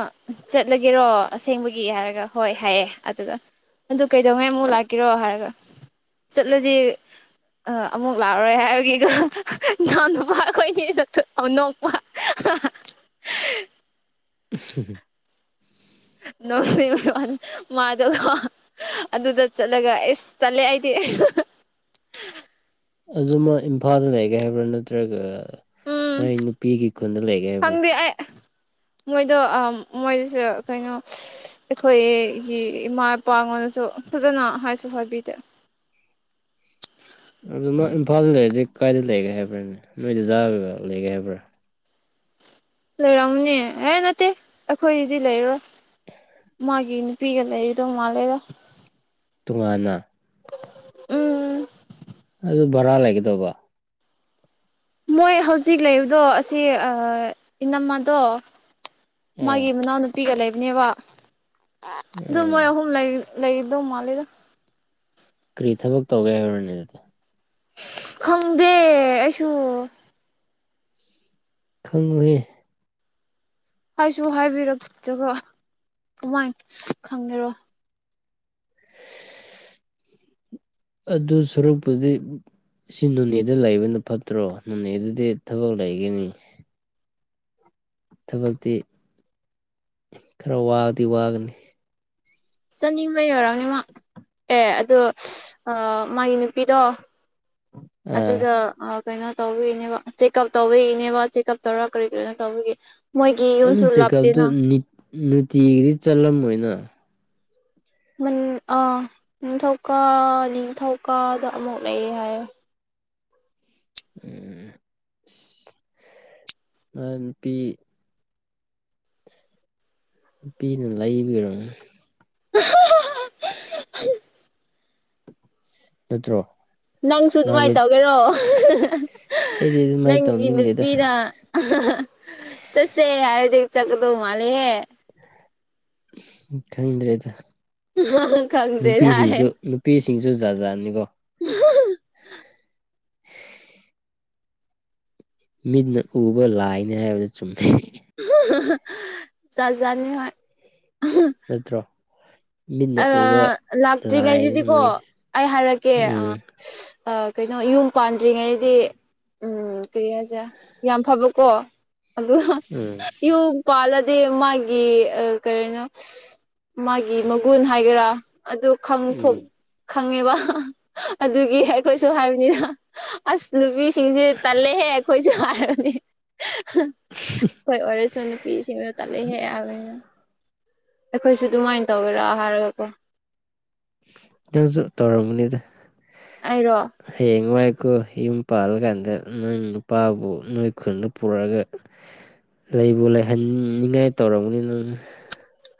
ꯆꯠꯂꯒꯦꯔꯣ ꯑꯁꯦꯡꯕꯒꯤ ꯍꯥꯏꯔꯒ ꯍꯣꯏ ꯍꯥꯏꯌꯦ ꯑꯗꯨꯒ ꯑꯗꯨ ꯀꯩꯗꯧꯉꯩ ꯑꯃꯨꯛ ꯂꯥꯛꯀꯔꯣ ꯍꯥꯏꯔꯒ ꯆꯠꯂꯗꯤ ꯑ ꯑꯃꯨꯛ ꯂꯥꯛꯑꯔꯣꯏ ꯍꯥꯏꯕꯒꯤꯀꯣ ꯅꯥꯟ ꯅꯨꯄꯥꯈꯣꯏꯅꯦ ꯋꯥ [inaudible] ꯎ ꯅ ꯋꯥꯅꯤ ꯃꯥꯗ ꯑꯗꯨꯗ ꯆꯠꯂꯒ ꯑꯦꯁ ꯆꯠꯂꯦ ꯑꯩꯗꯤ ꯑꯗꯨꯃ ꯏꯝꯐꯥꯜꯗ ꯂꯩꯒꯦ ꯍꯥꯏꯕ꯭ꯔꯥ ꯅꯠꯇ꯭ꯔꯒ ꯎꯝ ꯃꯥꯏ ꯅꯨꯄꯤꯒꯤ ꯈꯨꯟꯗ ꯂꯩꯒꯦ ꯍꯥꯏꯕ꯭ꯔꯥ ꯈꯪꯗꯦ ꯑꯩ ꯃꯣꯏꯗꯣ ꯃꯣꯏꯗꯁꯨ ꯀꯩꯅꯣ ꯑꯩꯈꯣꯏꯒꯤ ꯏꯃꯥ ꯏꯄꯥꯉꯣꯟꯗꯁꯨ ꯐꯖꯅ ꯍꯥꯏꯁꯨ ꯍꯥꯏꯕꯤꯗꯦ ꯑꯗꯨ ꯃꯥ ꯏꯝꯐꯥꯜꯗ ꯂꯩꯔꯗꯤ ꯀꯥꯏꯏꯗ ꯂꯩꯒꯦ ꯍꯥꯏꯕ꯭ꯔꯥꯅꯦ ꯅꯣꯏ ꯖꯗꯥꯗꯨꯗ ꯂꯩꯒꯦ ꯍꯥꯏꯕ꯭ꯔꯥ ꯂꯩꯔꯝꯅꯤ ꯑꯦ ꯅꯠꯇꯦ ꯑꯩꯈꯣꯏꯗꯤ ꯂꯩꯔꯣꯏ ꯃꯥꯒꯤ ꯅꯨꯄꯤꯒ ꯂꯩꯔꯤꯗꯣ ꯃꯥꯜꯂꯦꯔꯣ ꯇꯣꯉꯥꯟꯅ ꯎꯝ ꯑꯗꯨ ꯚꯔꯥ ꯂꯩꯒꯗꯧꯕ ꯃꯣꯏ ꯍꯧꯖꯤꯛ ꯂꯩꯕꯗꯣ ꯑꯁꯤ ꯑ ꯏꯅꯝꯃꯗꯣ ꯎꯝ ꯃꯥꯒꯤ ꯃꯅꯥꯎꯅꯨꯄꯤꯒ ꯂꯩꯕꯅꯦꯕ ꯑꯗꯨ ꯎꯝ ꯃꯣꯏ ꯑꯍꯨꯝ ꯂꯩ ꯂꯩꯗꯣ ꯃꯥꯜꯂꯦꯗ ꯀꯔꯤ ꯊꯕꯛ ꯇꯧꯒꯦ ꯍꯥꯏꯕ꯭ꯔꯅꯦ ꯈꯪꯗꯦ ꯑꯩꯁꯨ ꯈꯪꯉꯨꯍꯦ ꯍꯥꯏꯁꯨ ꯍꯥꯏꯕꯤꯔꯛꯇꯕ ꯀꯃꯥꯏꯅ ꯈꯪꯒꯦꯔꯣ ꯑꯗꯨ ꯁꯔꯨꯛꯄꯨꯗꯤ ꯁꯤ ꯅꯨꯅꯦꯗ ꯂꯩꯕꯅ ꯐꯠꯇ꯭ꯔꯣ ꯅꯨꯅꯦ ꯑꯗꯨꯗꯤ ꯊꯕꯛ ꯂꯩꯒꯅꯤ ꯊꯕꯛꯇꯤ ꯈꯔ ꯋꯥꯗꯤ ꯋꯥꯒꯅꯤ ꯆꯠꯅꯤꯡꯕ ꯌꯧꯔꯝꯅꯤ ꯃꯥ ꯑꯦ ꯑꯗꯨ ꯑ ꯃꯥꯒꯤ ꯅꯨꯄꯤꯗꯣ ꯑꯥ ꯑꯗꯨꯗ ꯑ ꯀꯩꯅꯣ ꯇꯧꯕꯒꯤꯅꯦꯕ ꯆꯦꯛꯑꯞ ꯇꯧꯕꯤꯒꯤꯅꯦꯕ ꯆꯦꯛꯑꯞ ꯇꯧꯔꯒ ꯀꯔꯤ ꯀꯔꯤꯅꯣ ꯇꯧꯕꯒꯤ ꯃꯣꯏꯒꯤ ꯑꯗꯨ ꯌꯨꯝꯁꯨ ꯆꯦꯛꯀꯞꯇꯨ ꯂꯥꯞꯇꯦꯅ ꯅꯤꯠ ꯅꯨꯡꯇꯤꯒꯤꯗꯤ ꯆꯠꯂꯝꯃꯣꯏꯅ ꯑ ꯅꯤꯡꯊꯧꯀꯥ ꯅꯤꯡꯊꯧꯀꯥꯗ ꯑꯃꯨꯛ ꯂꯩꯌꯦ ꯍꯥꯏꯌꯦ ꯎꯝ ꯑꯁ ꯃꯥ ꯅꯨꯄꯤ ꯅꯨꯄꯤꯗꯨ ꯂꯩꯕꯤꯔꯝꯅꯦ [inaudible] ꯅꯠꯇ꯭ꯔꯣ ꯅꯪꯁꯨ ꯃꯥꯗꯤ ꯑꯗꯨꯃꯥꯏꯅ ꯇꯧꯒꯦꯔꯣ ꯑꯩꯗꯤ ꯑꯗꯨꯃꯥꯏꯅ ꯅꯪꯒꯤ ꯇꯧꯅꯤꯡꯗꯦꯗ ꯅꯨꯄꯤꯅ ꯆꯠꯁꯦ ꯍꯥꯏꯔꯗꯤ ꯆꯠꯀꯗꯧ ꯃꯥꯜꯂꯦꯍꯦ ꯈꯪꯗ꯭ꯔꯦꯗ ꯈꯪꯗꯦꯗ ꯅꯨꯄꯤꯁꯤꯡꯁꯨ ꯅꯨꯞ ꯅꯨꯄꯤꯁꯤꯡꯁꯨ ꯖꯥꯖꯠ ꯖꯥꯠꯅꯤꯀꯣ ꯎꯍ [inaudible] ꯃꯤꯠꯅ ꯎꯕ ꯂꯥꯏꯅꯤ ꯍꯥꯏꯕꯗꯨ ꯆꯨꯝꯃꯤ ꯖꯥꯠꯖꯥꯠꯅꯤ ꯍꯣꯏ ꯅꯠꯇ꯭ꯔꯣ ꯃꯤꯠꯅ ꯑ ꯎꯕ ꯂꯥꯏꯅꯤ ꯂꯥꯛꯇ꯭ꯔꯤꯉꯩꯗꯗꯤꯀꯣ ꯃꯣꯏꯁꯦ ꯑꯩ ꯍꯥꯏꯔꯛꯀꯦ ꯑ ꯎꯝ ꯑ ꯀꯩꯅꯣ ꯌꯨꯝ ꯄꯥꯟꯗ꯭ꯔꯤꯉꯩꯗꯤ ꯎꯝ ꯀꯔꯤ ꯍꯥꯏꯁꯤꯔ ꯌꯥꯝ ꯐꯕꯀꯣ ꯑꯗꯨꯒ ꯎꯝ ꯌꯨꯝ ꯄꯥꯜꯂꯗꯤ ꯃꯥꯒꯤ ꯑ ꯀꯔꯤꯅꯣ ꯃꯥꯒꯤ ꯃꯕꯨꯛ ꯒꯨꯟ ꯍꯥꯏꯒꯦꯔꯥ ꯑꯗꯨ ꯎꯝ ꯈꯪꯊꯣꯛ ꯈꯪꯉꯦꯕ ꯑꯗꯨꯒꯤ ꯑꯩꯈꯣꯏꯁꯨ ꯍꯥꯏꯕꯅꯤꯅ ꯑꯁ ꯅꯨꯄꯤ ꯁꯤꯡꯁꯦ ꯇꯜꯂꯦꯍꯦ ꯑꯩꯈꯣꯏꯁꯨ ꯍꯥꯏꯔꯅꯤ ꯍꯣꯏ ꯑꯣꯏꯔꯁꯨ ꯅꯨꯄꯤꯁꯤꯡꯗ ꯇꯜꯂꯦꯍꯦ ꯍꯥꯏꯕ ꯑꯩꯅ ꯑꯩꯈꯣꯏꯁꯨ ꯑꯗꯨꯃꯥꯏꯅ ꯇꯧꯒꯦꯔꯣ ꯍꯥꯏꯔꯒꯀꯣ ꯇꯧꯁꯨ ꯇꯧꯔꯝꯃꯅꯤꯗ ꯑꯩꯔꯣ ꯍꯌꯦꯡ ꯋꯥꯏꯀꯣ ꯌꯨꯝ ꯄꯥꯜꯂꯀꯥꯟꯗ ꯅꯪ ꯅꯨꯄꯥꯕꯨ ꯅꯣꯏ ꯈꯨꯟꯗ ꯄꯨꯔꯛꯑꯒ ꯂꯩꯕꯨ ꯂꯩꯍꯟꯅꯤꯡꯉꯥꯏ ꯇꯧꯔꯝꯒꯅꯤ ꯅꯪꯅ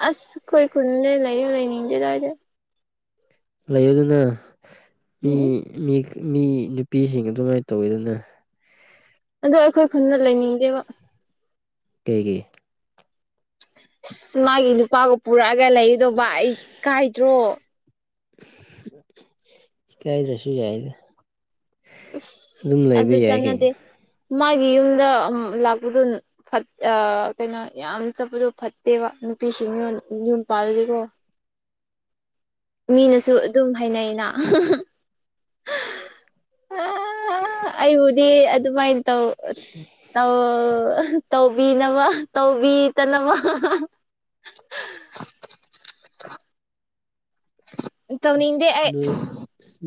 ꯑꯁ ꯑꯩꯈꯣꯏ ꯈꯨꯜꯗꯤ ꯂꯩꯌꯨ ꯂꯩꯅꯤꯡꯗꯦꯗ ꯑꯩꯗꯤ ꯂꯩꯌꯨꯗꯅ ꯃꯤ ꯎꯝ ꯃꯤ ꯃꯤ ꯅꯨꯄꯤꯁꯤꯡ ꯑꯗꯨꯃꯥꯏꯅ ꯇꯧꯋꯤꯗꯅ ꯑꯗꯣ ꯑꯩꯈꯣꯏ ꯈꯨꯟꯗ ꯂꯩꯅꯤꯡꯗꯦꯕ ꯀꯩꯒꯤ ꯑꯁ ꯃꯥꯒꯤ ꯅꯨꯄꯥꯒ ꯄꯨꯔꯛꯑꯒ ꯂꯩꯒꯗꯧꯕ ꯑꯩ ꯏꯀꯥꯏꯗ꯭ꯔꯣ ꯏꯀꯥꯏꯗ꯭ꯔꯁꯨ ꯌꯥꯏꯗ ꯑꯗꯨꯝ ꯏꯁ ꯑꯗꯨ ꯂꯩꯕ ꯌꯥꯏ ꯆꯠꯅꯗꯦ ꯀꯩꯅꯣ ꯃꯥꯒꯤ ꯌꯨꯝꯗ ꯑꯝ ꯂꯥꯛꯄꯗꯣ ꯑꯝ ꯑꯥ ꯀꯩꯅꯣ ꯌꯥꯝ ꯆꯠꯄꯗꯣ ꯐꯠꯇꯦꯕ ꯅꯨꯄꯤꯁꯤꯡꯅ ꯌꯨꯝ ꯄꯥꯜꯂꯗꯤꯀꯣ ꯃꯤꯅꯁꯨ ꯑꯗꯨꯝ ꯍꯥꯏꯅꯩꯅ ꯑꯩꯕꯨꯗꯤ ꯑꯗꯨꯃꯥꯏ ꯇꯧ ꯇꯧ ꯇꯧꯕꯤꯅꯕ ꯇꯧꯕꯤꯗꯅꯕ ꯇꯧꯅꯤꯡ ꯅꯣꯏ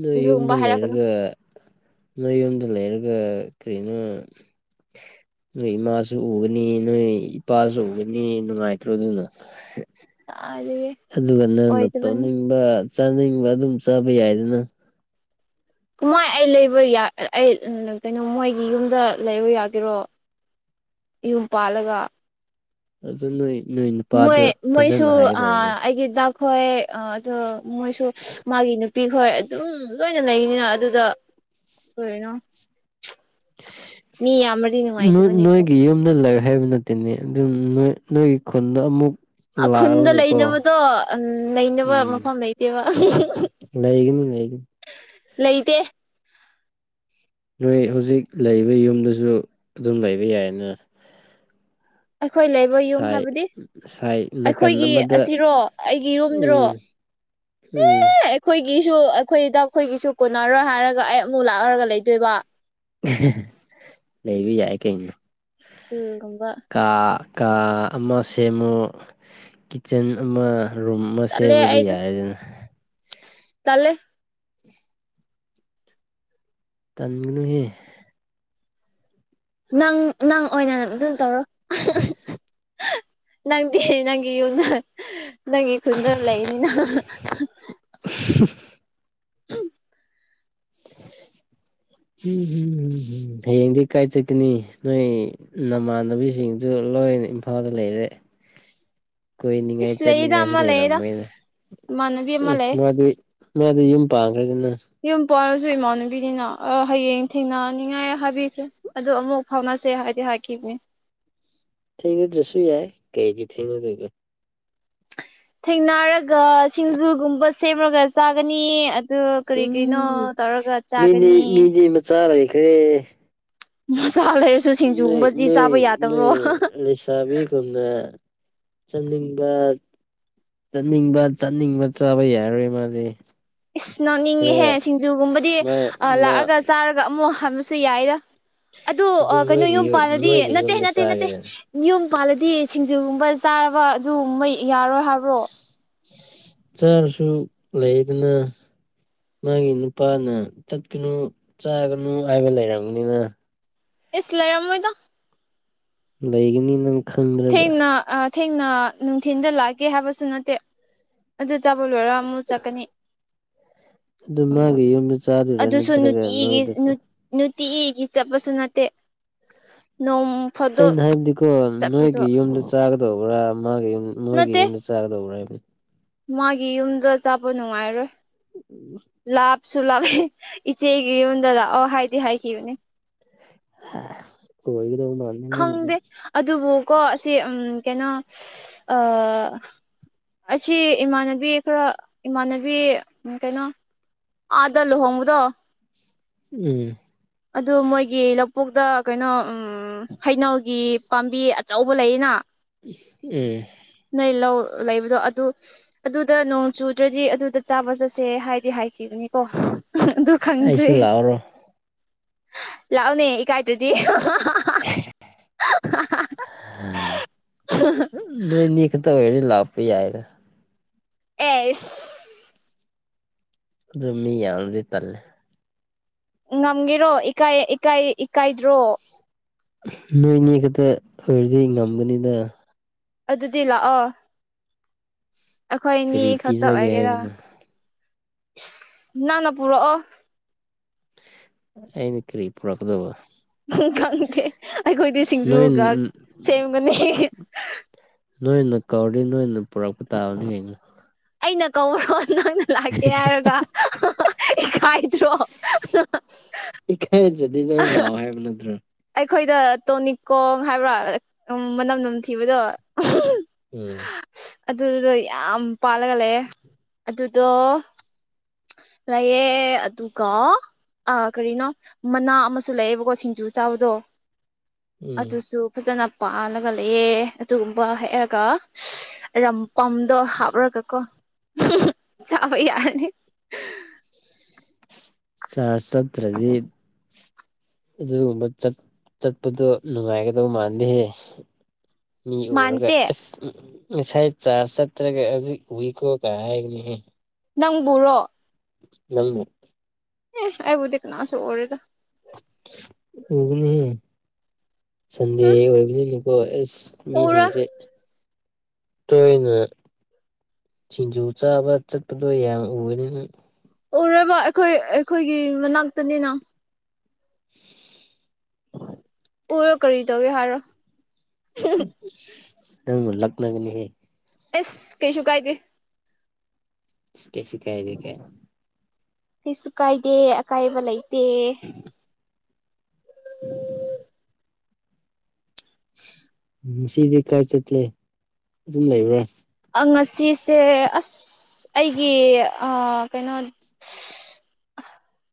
ꯅꯣꯏ ꯌꯨꯝꯗ ꯍꯥꯏꯔꯛꯀꯅꯨ ꯂꯩꯔꯒ ꯅꯣꯏ ꯌꯨꯝꯗ ꯂꯩꯔꯒ ꯀꯔꯤꯅꯣ ꯅꯣꯏ ꯏꯃꯥꯁꯨ ꯎꯒꯅꯤ ꯅꯣꯏ ꯏꯄꯥꯁꯨ ꯎꯒꯅꯤ ꯅꯨꯡꯉꯥꯏꯇ꯭ꯔꯣ ꯑꯗꯨꯅ [unintelligible] ꯀꯥꯏꯗꯒꯤ ꯑꯗꯨꯒ ꯅꯪꯅ ꯇꯧꯅꯤꯡꯕ ꯆꯥꯅꯤꯡꯕ ꯑꯗꯨꯝ ꯆꯥꯕ ꯌꯥꯏꯗꯅ ꯃꯣꯏ ꯑꯩ ꯂꯩꯕ ꯑꯩ ꯀꯩꯅꯣ ꯃꯣꯏꯒꯤ ꯌꯨꯝꯗ ꯂꯩꯕ ꯌꯥꯒꯦꯔꯣ ꯌꯨꯝ ꯄꯥꯜꯂꯒ ꯑꯗꯨ ꯅꯣꯏ ꯅꯣꯏ ꯃꯣꯏ ꯅꯨꯄꯥꯗ ꯃꯣꯏꯁꯨ ꯐꯖꯅ ꯑꯥ ꯍꯥꯏꯒꯗꯕꯅꯦ ꯑꯩꯒꯤ ꯗꯥꯛ ꯍꯣꯏ ꯑꯗꯣ ꯃꯣꯏꯁꯨ ꯃꯥꯒꯤ ꯅꯨꯞ ꯅꯨꯄꯤꯈꯣꯏ ꯑꯗꯨꯝ ꯂꯣꯏꯅ ꯂꯩꯔꯤꯅꯤꯅ ꯑꯗꯨꯗꯣ ꯀꯔꯤꯅꯣ ꯃꯤ ꯌꯥꯝꯃꯗꯤ ꯅꯣꯏ ꯅꯨꯡꯉꯥꯏꯇꯕꯅꯤꯀꯣ ꯅꯣꯏꯒꯤ ꯌꯝꯗ ꯂꯩꯔꯦ ꯍꯥꯏꯕ ꯅꯠꯇꯦꯅꯦ ꯑꯗꯨꯝ ꯅꯣꯏꯒꯤ ꯈꯨꯟꯗ ꯑꯃꯨꯛ ꯈꯨꯟꯗ ꯂꯥꯛꯂꯒꯀꯣ ꯂꯩꯅꯕꯗꯣ ꯎꯝ ꯂꯩꯅꯕ ꯎꯝ ꯃꯐꯝ ꯂꯩꯇꯦꯕ ꯂꯩꯒꯅꯤ ꯂꯩꯒꯅꯤ ꯂꯩꯇꯦ ꯅꯣꯏ ꯍꯧꯖꯤꯛ ꯂꯩꯕ ꯌꯨꯝꯗꯨꯁꯨ ꯑꯗꯨꯝ ꯂꯩꯕ ꯌꯥꯏꯌꯦꯅ ꯑꯩꯈꯣꯏ ꯂꯩꯕ ꯌꯨꯝ ꯁꯥꯏ ꯍꯥꯏꯕꯗꯤ ꯁꯥꯏ ꯅꯥꯀꯟ ꯑꯩꯈꯣꯏꯒꯤ ꯑꯃꯗ ꯑꯁꯤꯔꯣ ꯑꯩꯒꯤ ꯌꯨꯝꯗ꯭ꯔꯣ ꯎꯝ ꯎꯝ ꯑꯦ ꯑꯩꯈꯣꯏꯒꯤꯁꯨ ꯑꯩꯈꯣꯏꯗ ꯑꯩꯈꯣꯏꯒꯤꯁꯨ ꯀꯣꯟꯅꯔꯣꯏ ꯍꯥꯏꯔꯒ ꯑꯩ ꯑꯃꯨꯛ ꯂꯥꯛꯂꯔꯒ ꯂꯩꯗꯣꯏꯕ ꯂꯩꯕ ꯌꯥꯏ ꯀꯩꯅꯣ ꯑꯗꯨꯒꯨꯝꯕ ꯀꯥ ꯀꯥ ꯑꯃ ꯁꯦꯝꯃꯣ ꯀꯤꯠꯆꯟ ꯑꯃ ꯔꯨꯝ ꯑꯃ ꯇꯜꯂꯦ ꯁꯦꯝꯃꯗꯤ ꯑꯩꯗꯣ ꯌꯥꯔꯦꯗꯅ ꯇꯜꯂꯦ ꯇꯟꯒꯅꯨꯍꯦ ꯅꯪ ꯅꯪ ꯑꯣꯏꯅ ꯑꯗꯨꯝ ꯇꯧꯔꯣ ꯅꯪꯗꯤ ꯅꯪꯒꯤ ꯌꯨꯝꯅ ꯅꯪꯒꯤ ꯈꯨꯟꯗ ꯂꯩꯅꯤꯅ [unintelligible] ꯎꯝ ꯍꯌꯦꯡꯗꯤ ꯀꯥꯏ ꯆꯠꯀꯥꯅꯤ ꯅꯣꯏ ꯅꯃꯥꯟꯅꯕꯤꯁꯤꯡꯗꯨ ꯂꯣꯏꯅ ꯏꯝꯐꯥꯜꯗ ꯂꯩꯔꯦ ꯀꯣꯏꯅꯤꯡꯉꯥꯏ ꯏꯁ ꯂꯩꯗ ꯆꯠꯅꯤꯡꯉꯥꯏꯁꯨ ꯑꯃ ꯂꯩꯗ ꯂꯩꯔꯝꯃꯣꯏꯅ ꯏꯃꯥꯟꯅꯕꯤ ꯑꯃ ꯎꯝ ꯂꯩ ꯃꯥꯗꯤ ꯃꯥꯗꯤ ꯌꯨꯝ ꯄꯥꯡꯈ꯭ꯔꯦꯗꯅ ꯌꯨꯝ ꯄꯜꯂꯁꯨ ꯏꯃꯥꯟꯅꯕꯤꯅꯤꯅ ꯑꯥ ꯍꯌꯦꯡ ꯊꯦꯡꯅꯅꯤꯡꯉꯥꯏ ꯍꯥꯏꯕꯤꯈ꯭ꯔꯦ ꯑꯗꯨ ꯑꯃꯨꯛ ꯐꯥꯎꯅꯁꯦ ꯍꯥꯏꯗꯤ ꯍꯥꯏꯈꯤꯕꯅꯤ ꯊꯦꯡꯅꯗ꯭ꯔꯥꯁꯨ ꯌꯥꯏ ꯀꯩꯒꯤ ꯊꯦꯡꯅꯗꯣꯏꯕ ꯊꯦꯡꯅꯔꯒ ꯁꯤꯡꯖꯨꯒꯨꯝꯕ ꯁꯦꯝꯔꯒ ꯆꯥꯒꯅꯤ ꯑꯗꯨ ꯀꯔꯤ ꯀꯔꯤꯅꯣ ꯎꯝ ꯇꯧꯔꯒ ꯆꯥꯒꯅꯤ ꯆꯥ ꯂꯩꯈ꯭ꯔꯦ ꯃꯆꯥ ꯂꯩꯔꯁꯨ ꯁꯤꯡꯖꯨꯒꯨꯝꯕꯗꯤ ꯆꯥꯕ ꯌꯥꯗꯕ꯭ꯔꯣ ꯆꯥꯕꯤꯒꯨꯝꯅ ꯆꯪꯅꯤꯡꯕ ꯆꯠꯅꯤꯡꯕ ꯆꯠꯅꯤꯡꯕ ꯆꯥꯕ ꯌꯥꯔꯔꯣꯏ ꯃꯥꯗꯤ ꯏꯁ ꯅꯣꯛꯅꯤꯡꯉꯍꯦ ꯈꯔ ꯁꯤꯡꯖꯨꯒꯨꯝꯕꯗꯤ ꯃꯥ ꯑꯥ ꯃꯥ ꯂꯥꯛꯑꯒ ꯆꯥꯔꯒ ꯑꯃꯨꯛ ꯍꯟꯕꯁꯨ ꯌꯥꯏꯗ ꯑꯗꯨ ꯀꯩꯅꯣ ꯃꯣꯏꯒꯤ ꯌꯨꯝ ꯄꯥꯜꯂꯗꯤ ꯃꯣꯏꯒꯤ ꯅꯠꯇꯦ ꯌꯨꯝꯗ ꯅꯠꯇꯦ ꯅꯠꯇꯦ ꯆꯥꯒꯦꯔ ꯌꯨꯝ ꯄꯥꯜꯂꯗꯤ ꯁꯤꯡꯖꯨꯒꯨꯝꯕ ꯆꯥꯔꯕ ꯑꯗꯨꯒꯨꯝꯕ ꯌꯥꯔꯣꯏ ꯍꯥꯏꯕ꯭ꯔꯣ ꯆꯥꯥꯔꯁꯨ ꯂꯩꯗꯅ ꯃꯥꯒꯤ ꯅꯨꯄꯥꯅ ꯆꯠꯀꯅꯨ ꯆꯥꯒꯅꯨ ꯍꯥꯏꯕ ꯂꯩꯔꯝꯒꯅꯤꯅ ꯏꯁ ꯂꯩꯔꯝꯃꯣꯏꯗ ꯂꯩꯒꯅꯤ ꯅꯪ ꯈꯪꯗ꯭ꯔꯒ ꯊꯦꯡꯅ ꯑꯥ ꯊꯦꯡꯅ ꯅꯨꯡꯊꯤꯟꯗ ꯂꯥꯛꯒꯦ ꯍꯥꯏꯕꯁꯨ ꯅꯠꯇꯦ ꯑꯗꯨ ꯆꯥꯕ ꯂꯣꯏꯔ ꯑꯃꯨꯨ ꯆꯠꯀꯥꯅꯤ ꯑꯗꯨ ꯃꯥꯒꯤ ꯌꯨꯝꯗ ꯆꯥꯗꯣꯏꯔꯥ ꯑꯗꯨꯁꯨ ꯅꯠꯇ꯭ꯔꯒ ꯅꯨꯡꯇꯤꯒꯤ ꯅꯣꯏꯗ ꯆꯥ ꯅꯨꯡꯇꯤꯒꯤ ꯒꯤ ꯆꯠꯄꯁꯨ ꯅꯠꯇꯦ ꯅꯣꯡ ꯐꯥꯗꯣꯛ ꯑꯩꯅ ꯍꯥꯏꯕꯗꯤꯀꯣ ꯆꯠꯄꯗꯣ ꯅꯣꯏꯒꯤ ꯌꯨꯝꯗ ꯆꯥꯒꯗꯧꯕ꯭ꯔꯥ ꯃꯥꯒꯤ ꯌꯨꯝ ꯃꯣꯏꯒꯤ ꯅꯠꯇꯦ ꯌꯨꯝꯗ ꯆꯥꯒꯗꯧꯕ꯭ꯔꯥ ꯍꯥꯏꯕꯅꯤ ꯃꯥꯒꯤ ꯌꯨꯝꯗ ꯆꯥꯕ ꯅꯨꯡꯉꯥꯏꯔꯣꯏ ꯂꯥꯞ ꯁꯨꯂꯥꯎꯋꯦ ꯏꯆꯦꯒꯤ ꯌꯨꯝꯗ ꯂꯥꯛꯑꯣ ꯍꯥꯏꯗꯤ ꯍꯥꯏꯈꯤꯕꯅꯦ ꯍꯥ [unintelligible] ꯑꯣꯏꯒꯗꯧ ꯃꯥꯟ ꯈꯪꯗꯦ ꯑꯗꯨꯕꯨꯀꯣ ꯑꯁꯤ ꯎꯝ ꯀꯩꯅꯣ ꯑꯥ ꯑꯁꯤ ꯏꯃꯥꯟꯅꯕꯤ ꯈꯔ ꯏꯃꯥꯟꯅꯕꯤ ꯀꯩꯅꯣ ꯑꯥꯗ ꯂꯨꯍꯣꯡꯕꯗꯣ ꯎꯝ ꯑꯗꯨ ꯃꯣꯏꯒꯤ ꯂꯧꯕꯨꯛꯇꯥ ꯀꯩꯅꯣ ꯎꯝ ꯍꯩꯅꯧꯒꯤ ꯄꯥꯝꯕꯤ ꯑꯆꯧꯕ ꯂꯩꯌꯦꯅ ꯎꯝ ꯅꯣꯏ ꯂꯧ ꯂꯩꯕꯗꯣ ꯑꯗꯨ ꯑꯗꯨꯗ ꯅꯣꯡ ꯆꯨꯗ꯭ꯔꯥꯗꯤ ꯑꯗꯨꯗ ꯆꯥꯕ ꯆꯠꯁꯦ ꯍꯥꯏꯗꯤ ꯍꯥꯏꯈꯤꯕꯅꯤꯀꯣ ꯑꯗꯨ ꯑꯩꯁꯨ ꯂꯥꯛꯎꯔꯣ ꯂꯥꯛꯎꯅꯦ ꯏꯀꯥꯏꯗ꯭ꯔꯥꯗꯤ [unintelligible] ꯅꯣꯏ ꯑꯅꯤ ꯈꯠꯇ ꯑꯣꯏꯔꯗꯤ ꯂꯥꯛꯄ ꯌꯥꯏꯗ ꯑꯦ ꯑꯗꯨ ꯃꯤ ꯌꯥꯝꯃꯥꯗꯤ ꯇꯜꯂꯦ ꯉꯝꯒꯦꯔꯣ ꯏꯀꯥꯏ ꯏꯀꯥꯏ ꯏꯀꯥꯏꯗ꯭ꯔꯣ ꯅꯣꯏꯅꯤ ꯈꯛꯇ ꯑꯣꯏꯔꯗꯤ ꯉꯝꯒꯅꯤꯅꯥ ꯑꯗꯨꯗꯤ ꯂꯥꯛꯑꯣ ꯑꯩꯈꯣꯏꯅꯤ ꯀꯔꯤ ꯈꯛꯇ ꯄꯤꯖꯒꯦ ꯑꯣꯏꯒꯦꯔꯥ ꯍꯥꯏꯕꯅꯣ ꯅꯪꯅ ꯄꯨꯔꯛꯑꯣ ꯑꯩꯅ ꯀꯔꯤ ꯄꯨꯔꯛꯀꯗꯕ ꯈꯪꯗꯦ ꯑꯩꯈꯣꯏꯗꯤ ꯅꯣꯏ ꯁꯤꯡꯖꯨꯒ ꯁꯦꯝꯒꯅꯤ ꯅꯣꯏꯅ ꯀꯧꯔꯗꯤ ꯅꯣꯏꯅ ꯄꯨꯔꯛꯄ ꯇꯥꯕꯅꯤ ꯀꯩꯅꯣ ꯑꯩꯅ ꯀꯧꯕ꯭ꯔꯣ ꯅꯪꯅ ꯂꯥꯛꯀꯦ ꯍꯥꯏꯔꯒ ꯏꯀꯥꯏꯗ꯭ꯔꯣ ꯏꯀꯥꯏꯗꯔꯥꯗꯤ ꯅꯪ ꯂꯥꯛꯑꯣ ꯍꯥꯏꯕ ꯅꯠꯇ꯭ꯔꯣ ꯑꯩꯈꯣꯏꯗ ꯇꯣꯅꯤꯀꯣꯡ ꯍꯥꯏꯕ꯭ꯔꯥ ꯃꯅꯝ ꯅꯝꯊꯤꯕꯗꯣ ꯎꯝ ꯑꯗꯨꯗꯨꯗꯣ ꯌꯥꯝ ꯄꯥꯜꯂꯒ ꯂꯩꯑꯦ ꯑꯗꯨꯗꯣ ꯂꯩꯑ ꯑꯗꯨꯒ ꯑ ꯀꯔꯤꯅꯣ ꯃꯅꯥ ꯑꯃꯁꯨ ꯂꯩꯌꯦꯕꯀꯣ ꯁꯤꯡꯖꯨ ꯆꯥꯕꯗꯣ ꯎꯝ ꯑꯗꯨꯁꯨ ꯐꯖꯅ ꯄꯥꯜꯂꯒ ꯂꯩꯑꯦ ꯑꯗꯨꯒꯨꯝꯕ ꯍꯦꯛꯔꯒ ꯔꯝꯄꯝꯗꯣ ꯍꯥꯞꯔꯒ ꯀꯣ ꯆꯥꯕ ꯌꯥꯔꯅꯤ ꯆꯥ ꯁꯠꯇ꯭ꯔꯗꯤ ꯑꯗꯨꯒꯨꯝꯕ ꯆꯠ ꯆꯠꯄꯗꯣ ꯅꯨꯡꯉꯥꯏꯒꯗꯕ ꯃꯥꯟꯗꯦꯍꯦ ꯃꯤ ꯎꯔꯒ ꯃꯥꯟꯇꯦ ꯑꯁ ꯉꯁꯥꯏ ꯆꯥ ꯆꯠꯇ꯭ꯔꯒ ꯍꯧꯖꯤꯛ ꯎꯏ ꯀꯣ ꯀꯥꯏ ꯍꯥꯏꯒꯅꯤꯍꯦ ꯅꯪꯕꯨꯔꯣ ꯅꯪ ꯕꯨ ꯑꯦ ꯑꯩꯕꯨꯗꯤ ꯀꯅꯥꯁꯨ ꯎꯔꯣꯏꯗ ꯎꯒꯥꯅꯤ ꯁꯟꯗꯦ ꯎꯝ ꯑꯣꯏꯕꯅꯤꯅꯥꯀꯣ ꯎꯔ ꯃꯤꯁꯤꯡꯁꯦ ꯇꯣꯏꯅ ꯁꯤꯡꯖꯨ ꯆꯥꯕ ꯆꯠꯄꯗꯣ ꯌꯥꯝ ꯎꯕꯅꯤꯅꯪ ꯎꯔꯣꯏꯕ ꯑꯩꯈꯣꯏ ꯑꯩꯈꯣꯏꯒꯤ ꯃꯅꯥꯛꯇꯅꯤꯅ ꯎꯔꯥ ꯀꯔꯤ ꯇꯧ ꯍꯥꯢꯔꯥ ꯅꯪ ꯂꯛꯅꯒꯅꯤ ꯍꯦ ꯑꯁ ꯀꯩꯁꯨ ꯀꯥꯏꯗꯦ ꯏꯁ ꯀꯔꯤꯁꯨ ꯀꯥꯏꯗꯦ ꯀꯥꯏ ꯀꯩꯁꯨ ꯀꯥꯏꯗꯦ ꯑꯀꯥꯏꯕ ꯂꯩꯇꯦ ꯎꯝ [inaudible] ꯉꯥꯁꯤꯗꯤ ꯀꯥꯏ ꯆꯠꯀꯦ ꯑꯗꯨꯝ ꯂꯩꯕ꯭ꯔꯥ ꯉꯁꯤꯁꯦ ꯑꯁ ꯑꯩꯒꯤ ꯑꯥ ꯀꯩꯅꯣ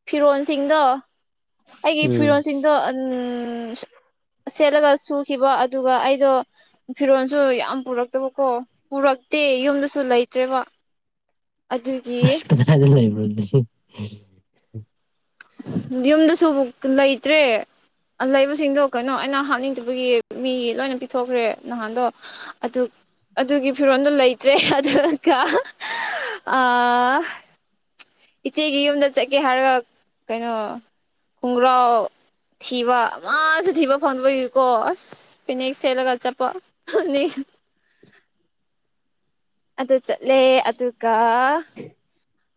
ꯐꯤꯔꯣꯜꯁꯤꯡꯗꯣ ꯑꯩꯒꯤ ꯎꯝ ꯐꯤꯔꯣꯜꯁꯤꯡꯗꯣ ꯎꯪꯪ ꯁꯦꯠꯂꯒ ꯁꯨꯈꯤꯕ ꯑꯗꯨꯒ ꯑꯩꯗꯣ ꯐꯤꯔꯣꯜꯁꯨ ꯌꯥꯝ ꯄꯨꯔꯛꯇꯕꯀꯣ ꯄꯨꯔꯛꯇꯦ ꯌꯨꯝꯗꯁꯨ ꯂꯩꯇ꯭ꯔꯦꯕ ꯑꯗꯨꯒꯤ ꯑꯁ ꯀꯥꯗꯥꯏꯗ ꯂꯩꯕ꯭ꯔꯥ ꯑꯗꯨꯗꯤ ꯌꯨꯝꯗꯁꯨꯛ ꯂꯩꯇ꯭ꯔꯦ ꯂꯩꯕꯁꯤꯡꯗꯣ ꯀꯩꯅꯣ ꯑꯩꯅ ꯍꯥꯞꯅꯤꯡꯇꯕꯒꯤ ꯃꯤ ꯂꯣꯏꯅ ꯄꯤꯊꯣꯛꯈ꯭ꯔꯦ ꯅꯍꯥꯟꯗꯣ ꯑꯇꯨꯛ ꯑꯗꯨꯒꯤ ꯐꯤꯔꯣꯟꯗꯣ ꯂꯩꯇ꯭ꯔꯦ ꯑꯗꯨꯒ ꯑꯥ ꯏꯆꯦꯒꯤ ꯌꯨꯝꯗ ꯆꯠꯀꯦ ꯍꯥꯏꯔꯒ ꯀꯩꯅꯣ ꯈꯨꯡꯒ꯭ꯔꯥꯎ ꯊꯤꯕ ꯑꯃꯥꯁꯨ ꯊꯤꯕ ꯐꯪꯗꯕꯩꯀꯣ ꯑꯁ ꯄꯤꯅꯦꯛ ꯁꯦꯠꯂꯒ ꯆꯠꯄ [unintelligible] ꯑꯗꯨ ꯆꯠꯂꯦ ꯑꯗꯨꯒ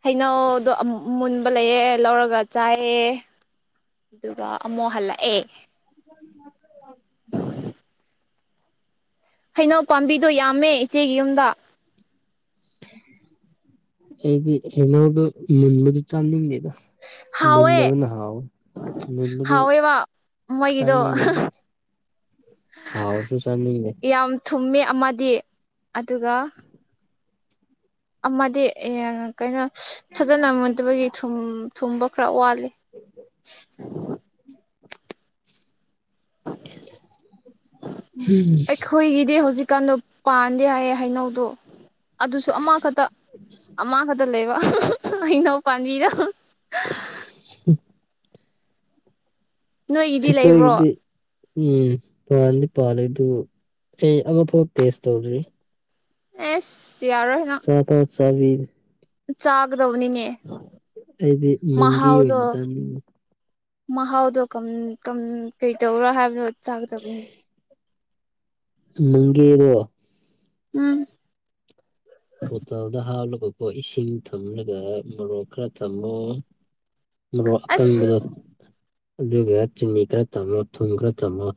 ꯍꯩꯅꯧꯗꯣ ꯑꯃꯨꯟ ꯃꯨꯟꯕ ꯂꯩꯌꯦ ꯂꯧꯔꯒ ꯆꯥꯏꯌꯦ ꯑꯗꯨꯒ ꯑꯃꯨꯛ ꯍꯜꯂꯛꯑꯦ [unintelligible] ꯍꯩꯅꯧ ꯄꯥꯝꯕꯤꯗꯣ ꯌꯥꯝꯃꯦ ꯏꯆꯦꯒꯤ ꯌꯨꯝꯗ ꯑꯩꯗꯤ ꯍꯩꯅꯧꯗꯣ ꯃꯨꯟꯕꯗꯤ ꯆꯥꯅꯤꯡꯗꯦꯗ ꯍꯥꯎꯋꯦ ꯃꯨꯟꯗꯕꯅ ꯍꯥꯎꯋꯤ ꯃꯨꯟꯕꯗꯨ ꯍꯥꯎꯋꯦꯕ ꯃꯣꯏꯒꯤꯗꯣ ꯆꯥꯅꯤꯡꯗꯦ ꯍꯥꯎꯔꯁꯨ ꯆꯥꯅꯤꯡꯗꯦ ꯌꯥꯝ ꯊꯨꯝꯃꯦ ꯑꯃꯗꯤ ꯑꯗꯨꯒ ꯑꯃꯗꯤ ꯑꯦ ꯀꯩꯅꯣ ꯐꯖꯅ ꯃꯨꯟꯗꯕꯒꯤ ꯊꯨꯝ-ꯊꯨꯝꯕ ꯈꯔ ꯋꯥꯠ ꯂꯤ [unintelligible] ꯑꯩꯈꯣꯏꯒꯤꯗꯤ ꯍꯧꯖꯤꯛꯀꯥꯟꯗꯣ ꯄꯥꯟꯗꯦ ꯍꯥꯏꯌꯦ ꯍꯩꯅꯧꯗꯨ ꯑꯗꯨꯁꯨ ꯑꯃꯈꯛꯇ-ꯑꯃꯈꯛꯇ ꯂꯩꯕ ꯍꯩꯅꯧ ꯄꯥꯝꯕꯤꯗꯣ [unintelligible] ꯅꯣꯏꯒꯤꯗꯤ ꯂꯩꯕ꯭ꯔꯣ ꯑꯩꯈꯣꯏꯒꯤꯗꯤ ꯎꯝ ꯄꯥꯟꯗꯤ ꯄꯥꯜꯂꯤ ꯑꯗꯨ ꯑꯩ ꯑꯃꯐꯥꯎ ꯇꯦꯁ ꯇꯧꯗ꯭ꯔꯤ ꯑꯦꯁ ꯌꯥꯔꯣꯏ ꯅꯪ ꯆꯥꯐꯥꯎ ꯆꯥꯕꯤꯗꯦ ꯆꯥꯒꯗꯧꯕꯅꯤꯅꯦ ꯑꯩꯗꯤ ꯃꯪꯒꯤꯍꯩ ꯃꯍꯥꯎꯗꯣ ꯑꯣꯏꯅ ꯆꯥꯅꯤꯡꯉꯤ ꯃꯍꯥꯎꯗꯣ ꯀꯝ-ꯀꯝ ꯀꯩ ꯇꯧꯔꯥ ꯍꯥꯏꯕꯅꯣ ꯆꯥꯒꯗꯕꯅꯤ ꯃꯪꯒꯤꯍꯩꯔꯣ ꯎꯝ ꯕꯣꯇꯜꯗ ꯍꯥꯞꯂꯒꯀꯣ ꯏꯁꯤꯡ ꯊꯝꯂꯒ ꯃꯣꯔꯣꯛ ꯈꯔ ꯊꯝꯃꯦ ꯃꯔꯣꯛ ꯑꯁ ꯑꯀꯪꯕꯗꯣ ꯑꯗꯨꯒ ꯆꯤꯅꯤ ꯈꯔ ꯊꯝꯃꯣ ꯊꯨꯝ ꯈꯔ ꯊꯝꯃꯣ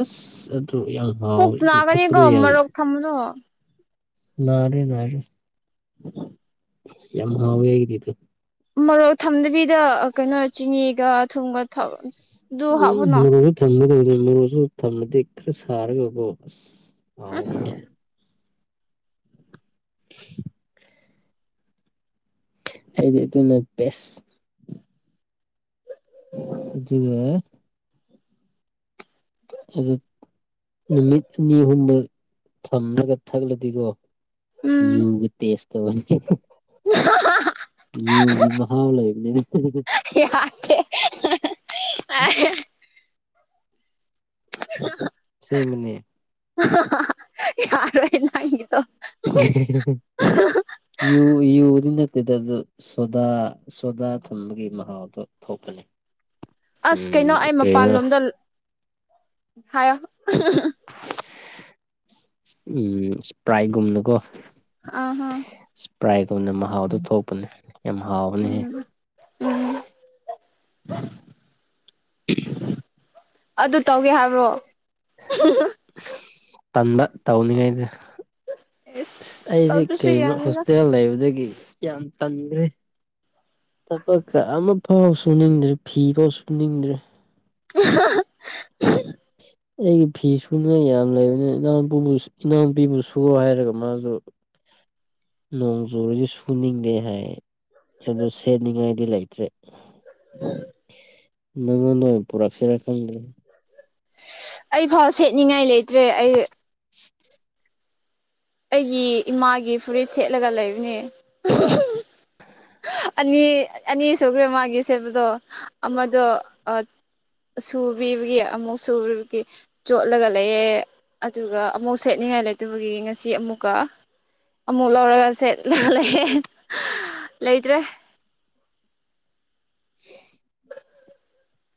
ꯑꯁ ꯑꯗꯨ ꯌꯥꯝ ꯄꯨꯛ ꯍꯥꯎꯋꯦ ꯅꯥꯒꯅꯤꯀꯣ ꯊꯛꯄꯗ ꯃꯔꯣꯛ ꯊꯝꯕꯗꯣ ꯅꯥꯗꯤ ꯅꯥꯏ [inaudible] ꯌꯥꯝ ꯍꯥꯎꯋꯦ ꯑꯩꯒꯤꯗꯤ ꯃꯣꯔꯣꯛ ꯊꯝꯗꯕꯤꯗ ꯑꯥ ꯀꯩꯅꯣ ꯆꯤꯅꯤꯒ ꯊꯨꯝꯒ ꯊꯝ ꯎꯝ ꯃꯔꯣꯛꯁꯨ ꯊꯝꯒꯗꯕꯅꯤ ꯃꯔꯣꯛꯁꯨ ꯊꯝꯃꯗꯤ ꯈꯔ ꯁꯥꯔꯥꯒꯀꯣ ꯑꯁ ꯍꯥꯎꯋꯤ ꯑꯩꯗꯤ ꯑꯗꯨꯅ ꯕꯦꯁ [inaudible] ꯑꯗꯨꯒ ꯑꯗꯨ ꯅꯨꯃꯤꯠ ꯑꯅꯤ ꯑꯍꯨꯝꯔꯛ ꯊꯝꯂꯒ ꯊꯛꯂꯗꯤꯀꯣ ꯎꯝ ꯌꯨꯒꯤ ꯇꯦꯁ ꯇꯧꯕꯅꯤ [inaudible] ꯌꯨꯒꯤ ꯃꯍꯥꯎ ꯂꯩꯕꯅꯤꯅ ꯌꯥꯔꯦ [inaudible] [inaudible] ꯁꯦꯡꯕꯅꯦ ꯌꯥꯔꯦ ꯅꯪꯒꯤꯗꯣ ꯌꯨꯨ ꯌꯨꯗꯤ ꯅꯠꯇꯦꯗ ꯑꯗꯨ ꯁꯣꯗꯥ ꯁꯣꯗꯥ ꯊꯝꯕꯒꯤ ꯃꯍꯥꯎ ꯗꯣ ꯊꯣꯛꯄꯅꯦ ꯑꯁ ꯀꯩꯅꯣ ꯎꯝ ꯑꯩ ꯀꯩꯅꯣ ꯃꯄꯥꯟꯂꯣꯝꯗ ꯍꯥꯏꯌꯣ ꯎꯝ ꯁꯄ꯭ꯔꯥꯏ ꯒꯨꯝꯅꯒꯣ ꯑ ꯍ ꯁꯄ꯭ꯔꯥꯏꯒꯨꯝꯅ ꯃꯍꯥꯎꯗꯨ ꯊꯣꯛꯄꯅꯤ ꯎꯝ ꯎꯝ ꯑꯗꯨ ꯇꯧꯒꯦ ꯍꯥꯏꯕ꯭ꯔꯣ ꯇꯟꯕ ꯇꯧꯅꯤꯡꯉꯥꯏꯗꯣ ꯑꯁ ꯏꯁ ꯑꯩꯖꯦ ꯇꯧꯗ꯭ꯔꯁꯨ ꯀꯔꯤꯅꯣ ꯌꯥꯅꯤꯗ ꯍꯣꯁꯇꯦꯜ ꯂꯩꯕꯗꯒꯤ ꯌꯥꯝ ꯇꯟꯒꯔ꯭ꯦ ꯊꯕꯛꯀ ꯑꯃꯐꯥꯎ ꯁꯨꯅꯤꯡꯗ꯭ꯔꯦ ꯐꯤꯐꯥꯎ ꯁꯨꯅꯤꯡꯗ꯭ꯔꯦ [inaudible] ꯑꯩꯒꯤ ꯐꯤ ꯁꯨꯅꯉꯥꯏ ꯌꯥꯝ ꯂꯩꯕꯅꯦ ꯏꯅꯥꯎꯅꯨꯄꯨꯕꯨ ꯏꯅꯥꯎꯅꯨꯄꯤꯕꯨ ꯁꯨꯌꯣ ꯍꯥꯏꯔꯒ ꯃꯥꯁꯨ ꯅꯣꯡꯆꯨꯔꯗꯤ ꯁꯨꯅꯤꯡꯗꯦ ꯍꯥꯏ ꯑꯗꯨ ꯁꯦꯠꯅꯤꯡꯉꯥꯏꯗꯤ ꯂꯩꯇ꯭ꯔꯦ ꯅꯪꯉꯣꯟꯅꯣ ꯄꯨꯔꯛꯁꯤꯔꯥ ꯈꯪꯗꯔ꯭ꯦ ꯑꯩꯐꯥꯎ ꯁꯦꯠꯅꯤꯡꯉꯥꯏ ꯂꯩꯇ꯭ꯔꯦ ꯑꯩ [inaudible] ꯑꯩꯒꯤ ꯏꯃꯥꯒꯤ ꯐꯨꯔꯤꯠ ꯁꯦꯠꯂꯒ ꯂꯩꯕꯅꯦ ꯑꯅꯤ ꯑꯅꯤ ꯁꯨꯈ꯭ꯔꯦ ꯃꯥꯒꯤ ꯁꯦꯠꯕꯗꯣ ꯑꯃꯗꯣ ꯑ ꯁꯨꯕꯤꯕꯒꯤ ꯑꯃꯨꯛ ꯁꯨꯕꯒꯤ ꯆꯣꯠꯂꯒ ꯂꯩꯌꯦ ꯑꯗꯨꯒ ꯑꯃꯨꯛ ꯁꯦꯠꯅꯤꯡꯉꯥꯏ ꯂꯩꯇꯕꯒꯤ ꯉ ꯁꯤ ꯑꯃꯨꯛꯀ ꯑꯃꯨꯛ ꯂꯧꯔꯒ ꯁꯦꯂ ꯂꯩꯌꯦ ꯂꯩꯇ꯭ꯔꯦ [inaudible]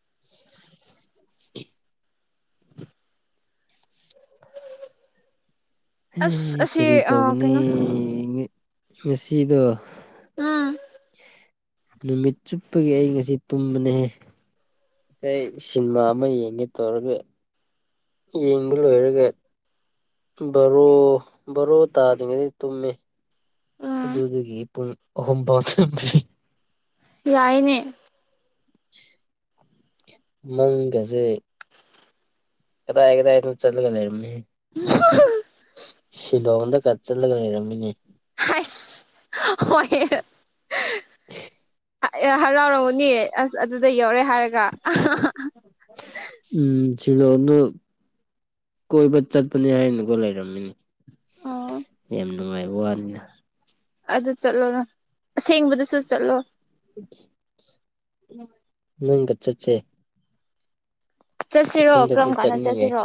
[inaudible] ꯑꯁ ꯑꯦ ꯀꯔꯤ ꯑꯁꯤ ꯑꯥ ꯇꯧꯒꯅꯤ ꯀꯩꯅꯣ ꯉ ꯉꯁꯤꯗꯣ ꯎꯝ ꯅꯨꯃꯤꯠ ꯆꯨꯞꯄꯒꯤ ꯑꯩ ꯉꯁꯤ ꯇꯨꯝꯕꯅꯦꯍꯦ ꯑꯩ ꯁꯤꯟꯃꯥ ꯑꯃ ꯌꯦꯡꯒꯦ ꯇꯧꯔꯒ ꯌꯦꯡꯕ ꯂꯣꯏꯔꯒ ꯕꯥꯔꯣ ꯕꯥꯔꯣ ꯇꯥꯗ꯭ꯔꯤꯉꯩꯗꯩ ꯇꯨꯝꯃꯦ ꯎꯝ ꯑꯗꯨꯗꯒꯤ ꯄꯨꯡ ꯑꯍꯨꯝꯐꯥꯎ ꯇꯨꯝꯃꯦ ꯌꯥꯏꯅꯦ ꯃꯪꯒꯖꯦ ꯀꯗꯥꯏ ꯀꯗꯥꯏꯅꯣ ꯆꯠꯂꯒ ꯂꯩꯔꯝꯃꯦꯍꯦ [inaudible] ꯁꯤꯂꯣꯡꯗꯀ ꯆꯠꯂꯒ ꯂꯩꯔꯝꯃꯤꯅꯦ ꯍꯥꯏꯁ ꯍꯣꯏꯔ ꯍꯔꯥꯎꯔꯝꯃꯅꯤ ꯑꯁ ꯑꯗꯨꯗ ꯌꯧꯔꯦ ꯍꯥꯏꯔꯒ ꯎꯝ ꯁꯤꯂꯣꯡꯗꯣ ꯀꯣꯏꯕ ꯆꯠꯄꯅꯤ ꯍꯥꯏꯅꯒꯣ ꯂꯩꯔꯝꯃꯤꯅꯤ ꯑꯣ ꯌꯥꯝ ꯅꯨꯡꯉꯥꯏꯕ ꯋꯥꯅꯤꯅ ꯑꯗꯨ ꯆꯠꯂꯣꯅ ꯑꯁꯦꯡꯕꯗꯁꯨ ꯆꯠꯂꯣ ꯅꯪꯒ ꯆꯠꯁꯦ ꯆꯠꯁꯤꯔꯣ ꯏꯊꯟꯗꯗꯤ ꯀꯔꯝ ꯀꯥꯟꯗ ꯆꯠꯅꯤꯡꯉꯦ ꯆꯠꯁꯤꯔꯣ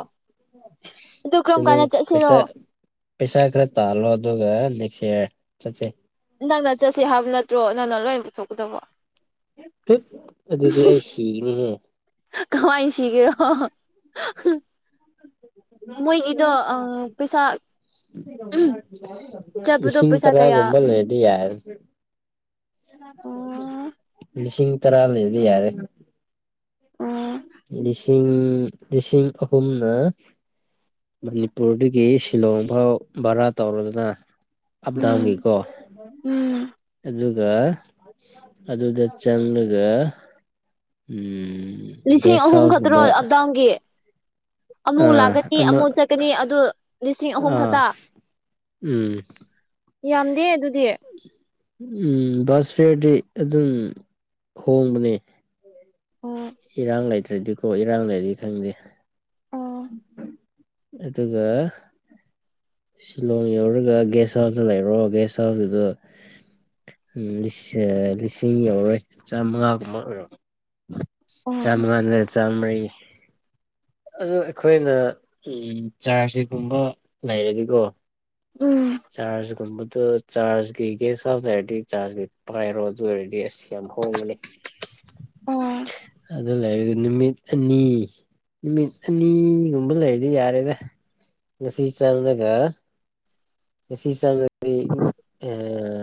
ꯑꯗꯨ ꯀꯔꯝ ꯅꯪ ꯀꯥꯟꯗ ꯆꯠꯁꯤꯔꯣ ꯄꯩꯁꯥ ꯄꯩꯁꯥ ꯈꯔ ꯇꯥꯜꯂꯣ ꯑꯗꯨꯒ ꯅꯦꯛꯁ ꯏꯌꯥꯔ ꯆꯠꯁꯦ ꯅꯪꯅ ꯆꯠꯁꯦ ꯍꯥꯏꯕ ꯅꯠꯇ꯭ꯔꯣ ꯅꯪꯅ ꯂꯣꯏ ꯄꯨꯊꯣꯛꯀꯗꯕ ꯇꯨꯠ ꯑꯗꯨꯗꯤ ꯑꯩ ꯁꯤꯒꯅꯤꯍꯦ ꯀꯃꯥꯏ ꯁꯤꯒꯦꯔꯣ ꯃꯣꯏꯒꯤꯗꯣ ꯑ ꯄꯩꯁꯥ ꯆꯠꯄꯗꯣ ꯂꯤꯁꯤꯡ ꯄꯩꯁꯥ ꯇꯔꯥꯒꯨꯝꯕ ꯀꯌꯥ ꯂꯩꯔꯗꯤ ꯌꯥꯔꯦ ꯑꯣ ꯂꯤꯁꯤꯡ ꯇꯔꯥ ꯂꯩꫪꯗꯤ ꯌꯥꯔꯦ ꯑꯣ ꯂꯤꯁꯤꯡ ꯂꯤꯁꯤꯡ ꯑꯍꯨꯝꯅ ꯃꯅꯤꯄꯨꯔꯗꯒꯤ ꯁꯤꯂꯣꯡꯐꯥꯎ ꯚꯔꯥ ꯇꯧꯔꯣꯗꯅ ꯎꯝ ꯑꯞꯗꯥꯎꯟꯒꯤꯀꯣ ꯎꯝ ꯑꯗꯨꯒ ꯑꯗꯨꯗ ꯆꯪꯂꯒ ꯎꯝ ꯂꯤꯁꯤꯡ ꯑꯍꯨꯝ ꯈꯛꯇꯔꯣ ꯑꯞꯗꯥꯎꯟꯒꯤ ꯑꯃꯨꯛ ꯑꯥ ꯂꯥꯛꯀꯅꯤ ꯑꯃ ꯑꯃꯨꯛ ꯆꯠꯀꯅꯤ ꯑꯗꯨ ꯂꯤꯁꯤꯡ ꯑꯍꯨꯝ ꯑꯥ ꯈꯛꯇ ꯎꯝ ꯌꯥꯝꯗꯦ ꯑꯗꯨꯗꯤ ꯎꯝ ꯕꯁ ꯐꯤꯌꯔꯗꯤ ꯑꯗꯨꯝ ꯍꯣꯡꯕꯅꯦ ꯑꯣ ꯏꯔꯥꯡ ꯂꯩꯇ꯭ꯔꯗꯤꯀꯣ ꯏꯔꯥꯡ ꯂꯩꯔꯤ ꯈꯪꯗꯦ ꯑꯣ ꯑꯗꯨꯒ ꯁꯤꯂꯣꯡ ꯌꯧꯔꯒ ꯒꯦꯁ ꯍꯥꯎꯁꯇ ꯂꯩꯔꯣ ꯒꯦꯁ ꯍꯥꯎꯁꯇꯨꯗ ꯎꯝ ꯂꯤꯁ ꯑꯥ ꯂꯤꯁꯤꯡ ꯌꯧꯔꯣꯏ ꯆꯥꯝꯃꯉꯥꯒꯨꯝꯕ ꯑꯣꯏꯔꯝ ꯑꯣ ꯆꯝꯉꯥꯔ ꯆꯥꯝꯃ꯭ꯔꯤ ꯑꯗꯨ ꯑꯩꯈꯣꯏꯅ ꯎꯝ ꯆꯥꯔꯖꯤꯒꯨꯝꯕ ꯂꯩꯔꯗꯤꯀꯣ ꯎꯝ ꯆꯥꯔꯖꯒꯨꯝꯕꯗꯣ ꯆꯥꯔꯖꯒꯤ ꯒꯦꯁ ꯍꯥꯎꯁ ꯂꯩꯔꯗꯤ ꯆꯥꯔꯖꯀꯤ ꯄꯥꯏꯔꯣ ꯑꯗꯨ ꯑꯣꯏꯔꯗꯤ ꯑꯁ ꯌꯥꯝ ꯍꯣꯡꯕꯅꯤ ꯑꯣ ꯑꯗꯨ ꯂꯩꯔꯒꯡꯗꯤ ꯅꯨꯃꯤꯠ ꯑꯅꯤ ꯅꯨꯃꯤꯠ ꯑꯅꯤꯒꯨꯝꯕ ꯂꯩꯔꯗꯤ ꯌꯥꯔꯦꯗ ꯉꯁꯤ ꯆꯪꯉꯒ ꯉꯁꯤ ꯆꯪꯉꯗꯤ ꯑꯥ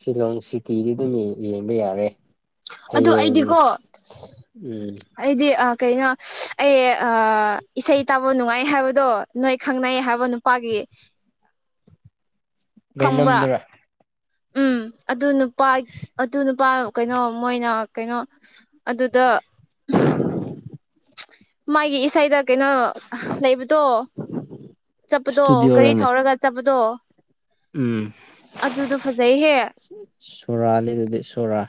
ꯁꯤꯂꯣꯡ ꯁꯤꯇꯤꯗꯤ ꯑꯗꯨꯝ ꯌꯦꯡꯕ ꯌꯥꯔꯦ ꯑꯗꯨ ꯍꯌꯦꯡ ꯑꯩꯗꯤꯀꯣ ꯎꯝ ꯑꯩꯗꯤ ꯑ ꯀꯩꯅꯣ ꯑꯩ ꯑ ꯏꯁꯩ ꯇꯥꯕ ꯅꯨꯡꯉꯥꯏ ꯍꯥꯏꯕꯗꯣ ꯅꯣꯏ ꯈꯪꯅꯩ ꯍꯥꯏꯕ ꯅꯨ ꯄꯥꯒꯤ ꯂꯩꯩ ꯈꯪꯕ꯭ꯔꯥ ꯅꯝꯗꯨꯔꯥ ꯎꯝ ꯑꯗꯨ ꯅꯨꯄꯥ ꯑꯗꯨ ꯅꯨꯄꯥ ꯀꯩꯅꯣ ꯃꯣꯏꯅ ꯀꯩꯅꯣ ꯑꯗꯨꯗ ꯃꯥꯒꯤ ꯏꯁꯩꯗ ꯀꯩꯅꯣ ꯂꯩꯕꯗꯣ ꯆꯠꯄꯗꯣ ꯒꯥꯔꯤ ꯏꯁꯇꯨꯗꯤꯑꯣꯔꯅꯦ ꯊꯧꯔꯒ ꯆꯠꯄꯗꯣ ꯎꯝ ꯑꯗꯨꯗꯣ ꯐꯖꯩꯍꯦ ꯁꯣꯔꯥꯅꯤ ꯑꯗꯨꯗꯤ ꯁꯣꯔꯥ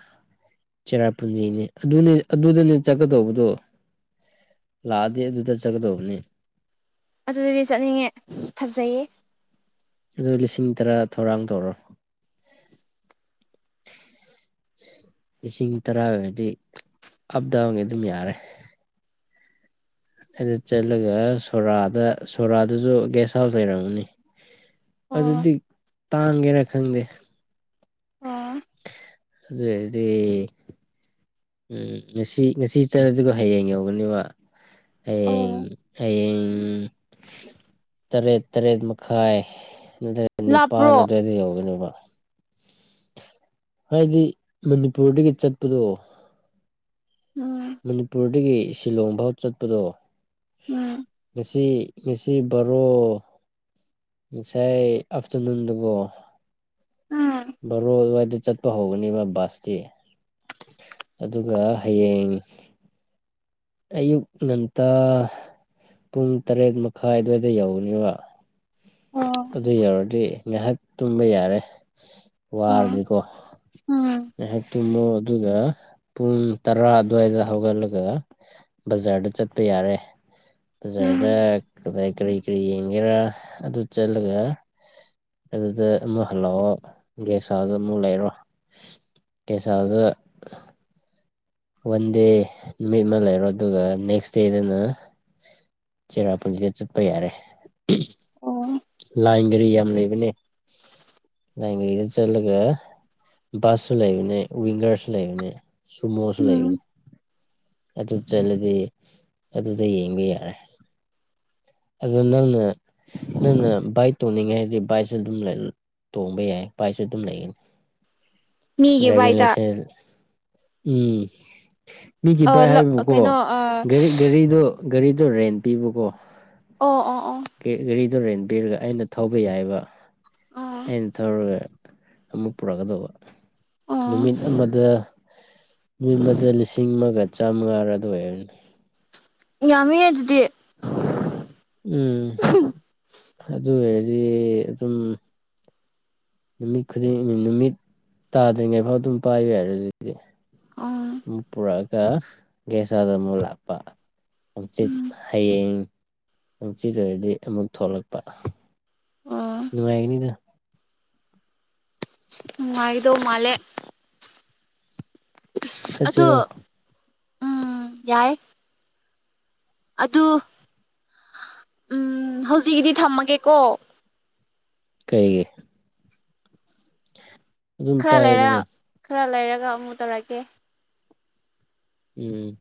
ꯆꯦꯔꯥꯄꯨꯟꯖꯤꯅꯤ ꯑꯗꯨꯅꯦ ꯑꯗꯨꯗꯅꯦ ꯆꯠꯀꯗꯧꯕꯗꯣ ꯂꯥꯛꯑꯗꯤ ꯑꯗꯨꯗ ꯆꯠꯀꯗꯧꯕꯅꯤ ꯑꯗꯨꯗꯗꯤ ꯆꯠꯅꯤꯡꯉꯦ ꯐꯖꯩꯌꯦ ꯑꯗꯨ ꯂꯤꯁꯤꯡ ꯇꯔꯥ ꯊꯧꯔꯥꯡ ꯇꯧꯔꯣ ꯂꯤꯁꯤꯡ ꯇꯔꯥ ꯑꯣꯏꯔꯗꯤ ꯑꯞ ꯗꯥꯎꯟꯒꯤ ꯑꯗꯨꯝ ꯌꯥꯔꯦ꯫ ꯑꯗꯨ ꯆꯠꯂꯒ ꯁꯣꯔꯥꯗ ꯁꯣꯔꯥꯗꯁꯨ ꯒꯦꯁ ꯍꯥꯎꯁ ꯂꯩꯔꯝꯒꯅꯤ꯫ ꯑꯣ ꯑꯗꯨꯗꯤ ꯇꯥꯡꯒꯦꯔ ꯈꯪꯗꯦ꯫ ꯑꯥ ꯑꯗꯨ ꯑꫭꯏꯗꯤ ꯎꯝ ꯉꯁꯤ ꯉꯁꯤ ꯆꯠꯂꯗꯤꯀꯣ ꯍꯌꯦꯡ ꯌꯧꯒꯅꯤꯕ ꯍꯌꯦꯡ ꯑꯣ ꯍꯌꯦꯡ ꯇꯔꯦꯠ ꯇꯔꯦꯠ ꯃꯈꯥꯏ ꯑꯗꯨ ꯅꯤꯄꯥꯜ ꯂꯥꯞꯄ꯭ꯔꯣ ꯑꯗꯨꯋꯥꯏꯗ ꯌꯧꯒꯅꯦꯕ ꯍꯥꯏꯗꯤ ꯃꯅꯤꯄꯨꯔꯗꯒꯤ ꯆꯠꯄꯗꯣ [unintelligible] ꯃꯅꯤꯄꯨꯔꯗꯒꯤ ꯁꯤꯂꯣꯡꯐꯥꯎ ꯆꯠꯄꯗꯣ ꯎꯝ ꯉꯁꯤ ꯉꯁꯤ ꯕꯥꯔꯣ ꯉꯁꯥꯏ ꯑꯥꯞꯇꯔꯅꯨꯟꯗꯒꫭ ꯎꯝ꯫ ꯕꯔꯣ ꯑꯗꯨꯋꯥꯏꯗ ꯆꯠꯄ ꯍꯧꯒꯅꯦꯕ ꯕꯁꯇꯤ ꯑꯗꯨꯒ ꯍꯌꯦꯡ ꯑꯌꯨꯛ ꯉꯟꯇꯥ ꯄꯨꯡ ꯇꯔꯦꯠ ꯃꯈꯥꯏ ꯑꯗꯨꯋꯥꯏꯗ ꯌꯧꯅꯦꯕ ꯑꯣ ꯑꯗꯨ ꯌꯧꯔꯗꯤ ꯉꯥꯏꯍꯥꯛ ꯇꯨꯝꯕ ꯌꯥꯔꯦ ꯑꯣ ꯋꯥꯔꯗꯤꯀꯣ ꯎꯝ ꯉꯥꯏꯍꯥꯛ ꯇꯨꯝꯃꯣ ꯑꯗꯨꯒ ꯄꯨꯡ ꯇꯔꯥ ꯑꯗꯨꯋꯥꯏꯗ ꯍꯧꯒꯠꯂꯒ ꯕꯖꯥꯔꯗ ꯆꯠꯄ ꯌꯥꯔꯦ꯫ ꯕꯖꯥꯔꯗ ꯎꯝ ꯀꯗꯥꯏ ꯀꯔꯤ ꯀꯔꯤ ꯌꯦꯡꯒꯦꯔꯥ ꯑꯗꯨ ꯆꯠꯂꯒ ꯑꯗꯨꯗ ꯑꯃꯨꯛ ꯍꯜꯂꯛꯑꯣ ꯒꯦꯁ ꯍꯥꯎꯁ ꯑꯃꯨꯛ ꯂꯩꯔꯣ ꯒꯦꯁ ꯍꯥꯎꯁꯗꯥ ꯋꯥꯟ ꯗꯦ ꯅꯨꯃꯤꯠ ꯑꯃ ꯂꯩꯔꯣ ꯑꯗꯨꯒ ꯅꯦꯛꯁ ꯗꯦꯗꯅ ꯆꯔꯥ ꯄꯨꯟꯁꯤꯗ ꯆꯠꯄ ꯌꯥꯔꯦ ꯑꯣ ꯂꯥꯏꯟ ꯒꯥꯔꯤ ꯌꯥꯝ ꯂꯩꯕꯅꯦ꯫ ꯂꯥꯏꯟ ꯒꯥꯔꯤꯗ ꯆꯠꯂꯒ ꯕꯁꯁꯨ ꯂꯩꯕꯅꯦ ꯋꯤꯡꯒꯔꯁꯨ ꯂꯩꯕꯅꯦ ꯁꯨꯝꯃꫭꯁꯨ ꯂꯩꯕꯅꯤ ꯎꯝ ꯑꯗꯨ ꯆꯠꯂꯗꯤ ꯑꯗꯨꯗ ꯌꯦꯡꯕ ꯌꯥꯔꯦ ꯑꯗꯨ ꯅꯪꯅ ꯅꯪꯅ ꯕꯥꯏꯛ ꯇꯣꯡꯅꯤꯡꯉꯦ ꯍꯥꯏꯔꯗꯤ ꯕꯥꯏꯛꯁꯨ ꯑꯗꯨꯝ ꯂꯩ ꯇꯣꯡꯕ ꯌꯥꯏ ꯕꯥꯏꯛꯁꯨ ꯑꯗꯨꯝ ꯂꯩꯒꯅꯤ꯫ ꯃꯤꯒꯤ ꯗ꯭ꯔꯥꯏꯚꯤꯡ ꯕꯥꯏꯗ ꯂꯥꯏꯁꯦꯟꯁ ꯎꯝ ꯃꯤꯒꯤ ꯕꯥꯏꯛ ꯑ ꯍꯥꯏꯕꯀꯣ ꯀꯩꯅꯣ ꯑ ꯒꯥꯔꯤ ꯒꯥꯔꯤꯗꯣ ꯒꯥꯔꯤꯗꯣ ꯔꯦꯟ ꯄꯤꯕꯀꯣ ꯑꯣ ꯑꯣ ꯑꯣ ꯒꯥꯔꯤꯗꯣ ꯔꯦꯟ ꯄꯤꯔꯒ ꯑꯩꯅ ꯊꯧꯕ ꯌꯥꯏꯕ ꯑꯣ ꯑꯩꯅ ꯊꯧꯔꯒꯥ ꯑꯃꯨꯛ ꯄꯨꯔꯛꯀꯗꯧꯕ ꯑꯣ ꯅꯨꯃꯤꯠ ꯑꯃꯗ ꯅꯨꯃꯤꯠ ꯑꯃꯗ ꯂꯤꯁꯤꯡ ꯑꯃꯒ ꯆꯥꯝꯃꯉꯥꯔ ꯑꯗꯨ ꯑꯣꯏꯔꯝꯅꯤ ꯌꯥꯝꯃꯤꯍꯦ ꯑꯗꯨꯗꯤ ꯎꯝ ꯑꯗꯨ ꯑꯣꯏꯔꯗꯤ ꯑꯗꯨꯝ ꯅꯨꯃꯤꯠ ꯈꯨꯗꯤꯡ ꯅꯨꯃꯤꯠ ꯇꯥꯗ꯭ꯔꯤꯉꯩꯐꯥꯎ ꯑꯗꯨꯝ ꯄꯥꯏꯕ ꯌꯥꯔꯦ ꯑꯗꯨꯗꯤ ꯑꯣ ꯑꯃꯨꯛ ꯄꯨꯔꯛꯑꯒ ꯒꯦꯁ ꯍꯥꯎꯁꯇ ꯑꯃꯨꯛ ꯂꯥꯛꯄ ꯍꯪꯆꯤꯠ ꯎꯝ ꯍꯌꯦꯡ ꯍꯪꯆꯤꯠ ꯑꯣꯏꯔꯗꯤ ꯑꯃꯨꯛ ꯊꯣꯛꯂꯛꯄ ꯑꯣ ꯅꯨꯡꯉꯥꯏꯒꯅꯤꯗ ꯅꯨꯡꯉꯥꯏꯗꯧ ꯃꯥꯜꯂꯦ ꯑꯗꯣ ꯆꯠꯁꯤꯔꯣ ꯎꯝ ꯌꯥꯏ ꯑꯗꯨ ꯎꯝ ꯍꯧꯖꯤꯛꯀꯤꯗꯤ ꯊꯝꯃꯒꯦꯀꯣ ꯀꯩꯒꯤ ꯑꯗꯨꯝ ꯈꯔ ꯂꯩꯔ ꯄꯥꯏꯌꯨꯗꯅ ꯈꯔ ꯂꯩꯔꯒ ꯑꯃꯨꯛ ꯇꯧꯔꯛꯀꯦ ꯎꯝ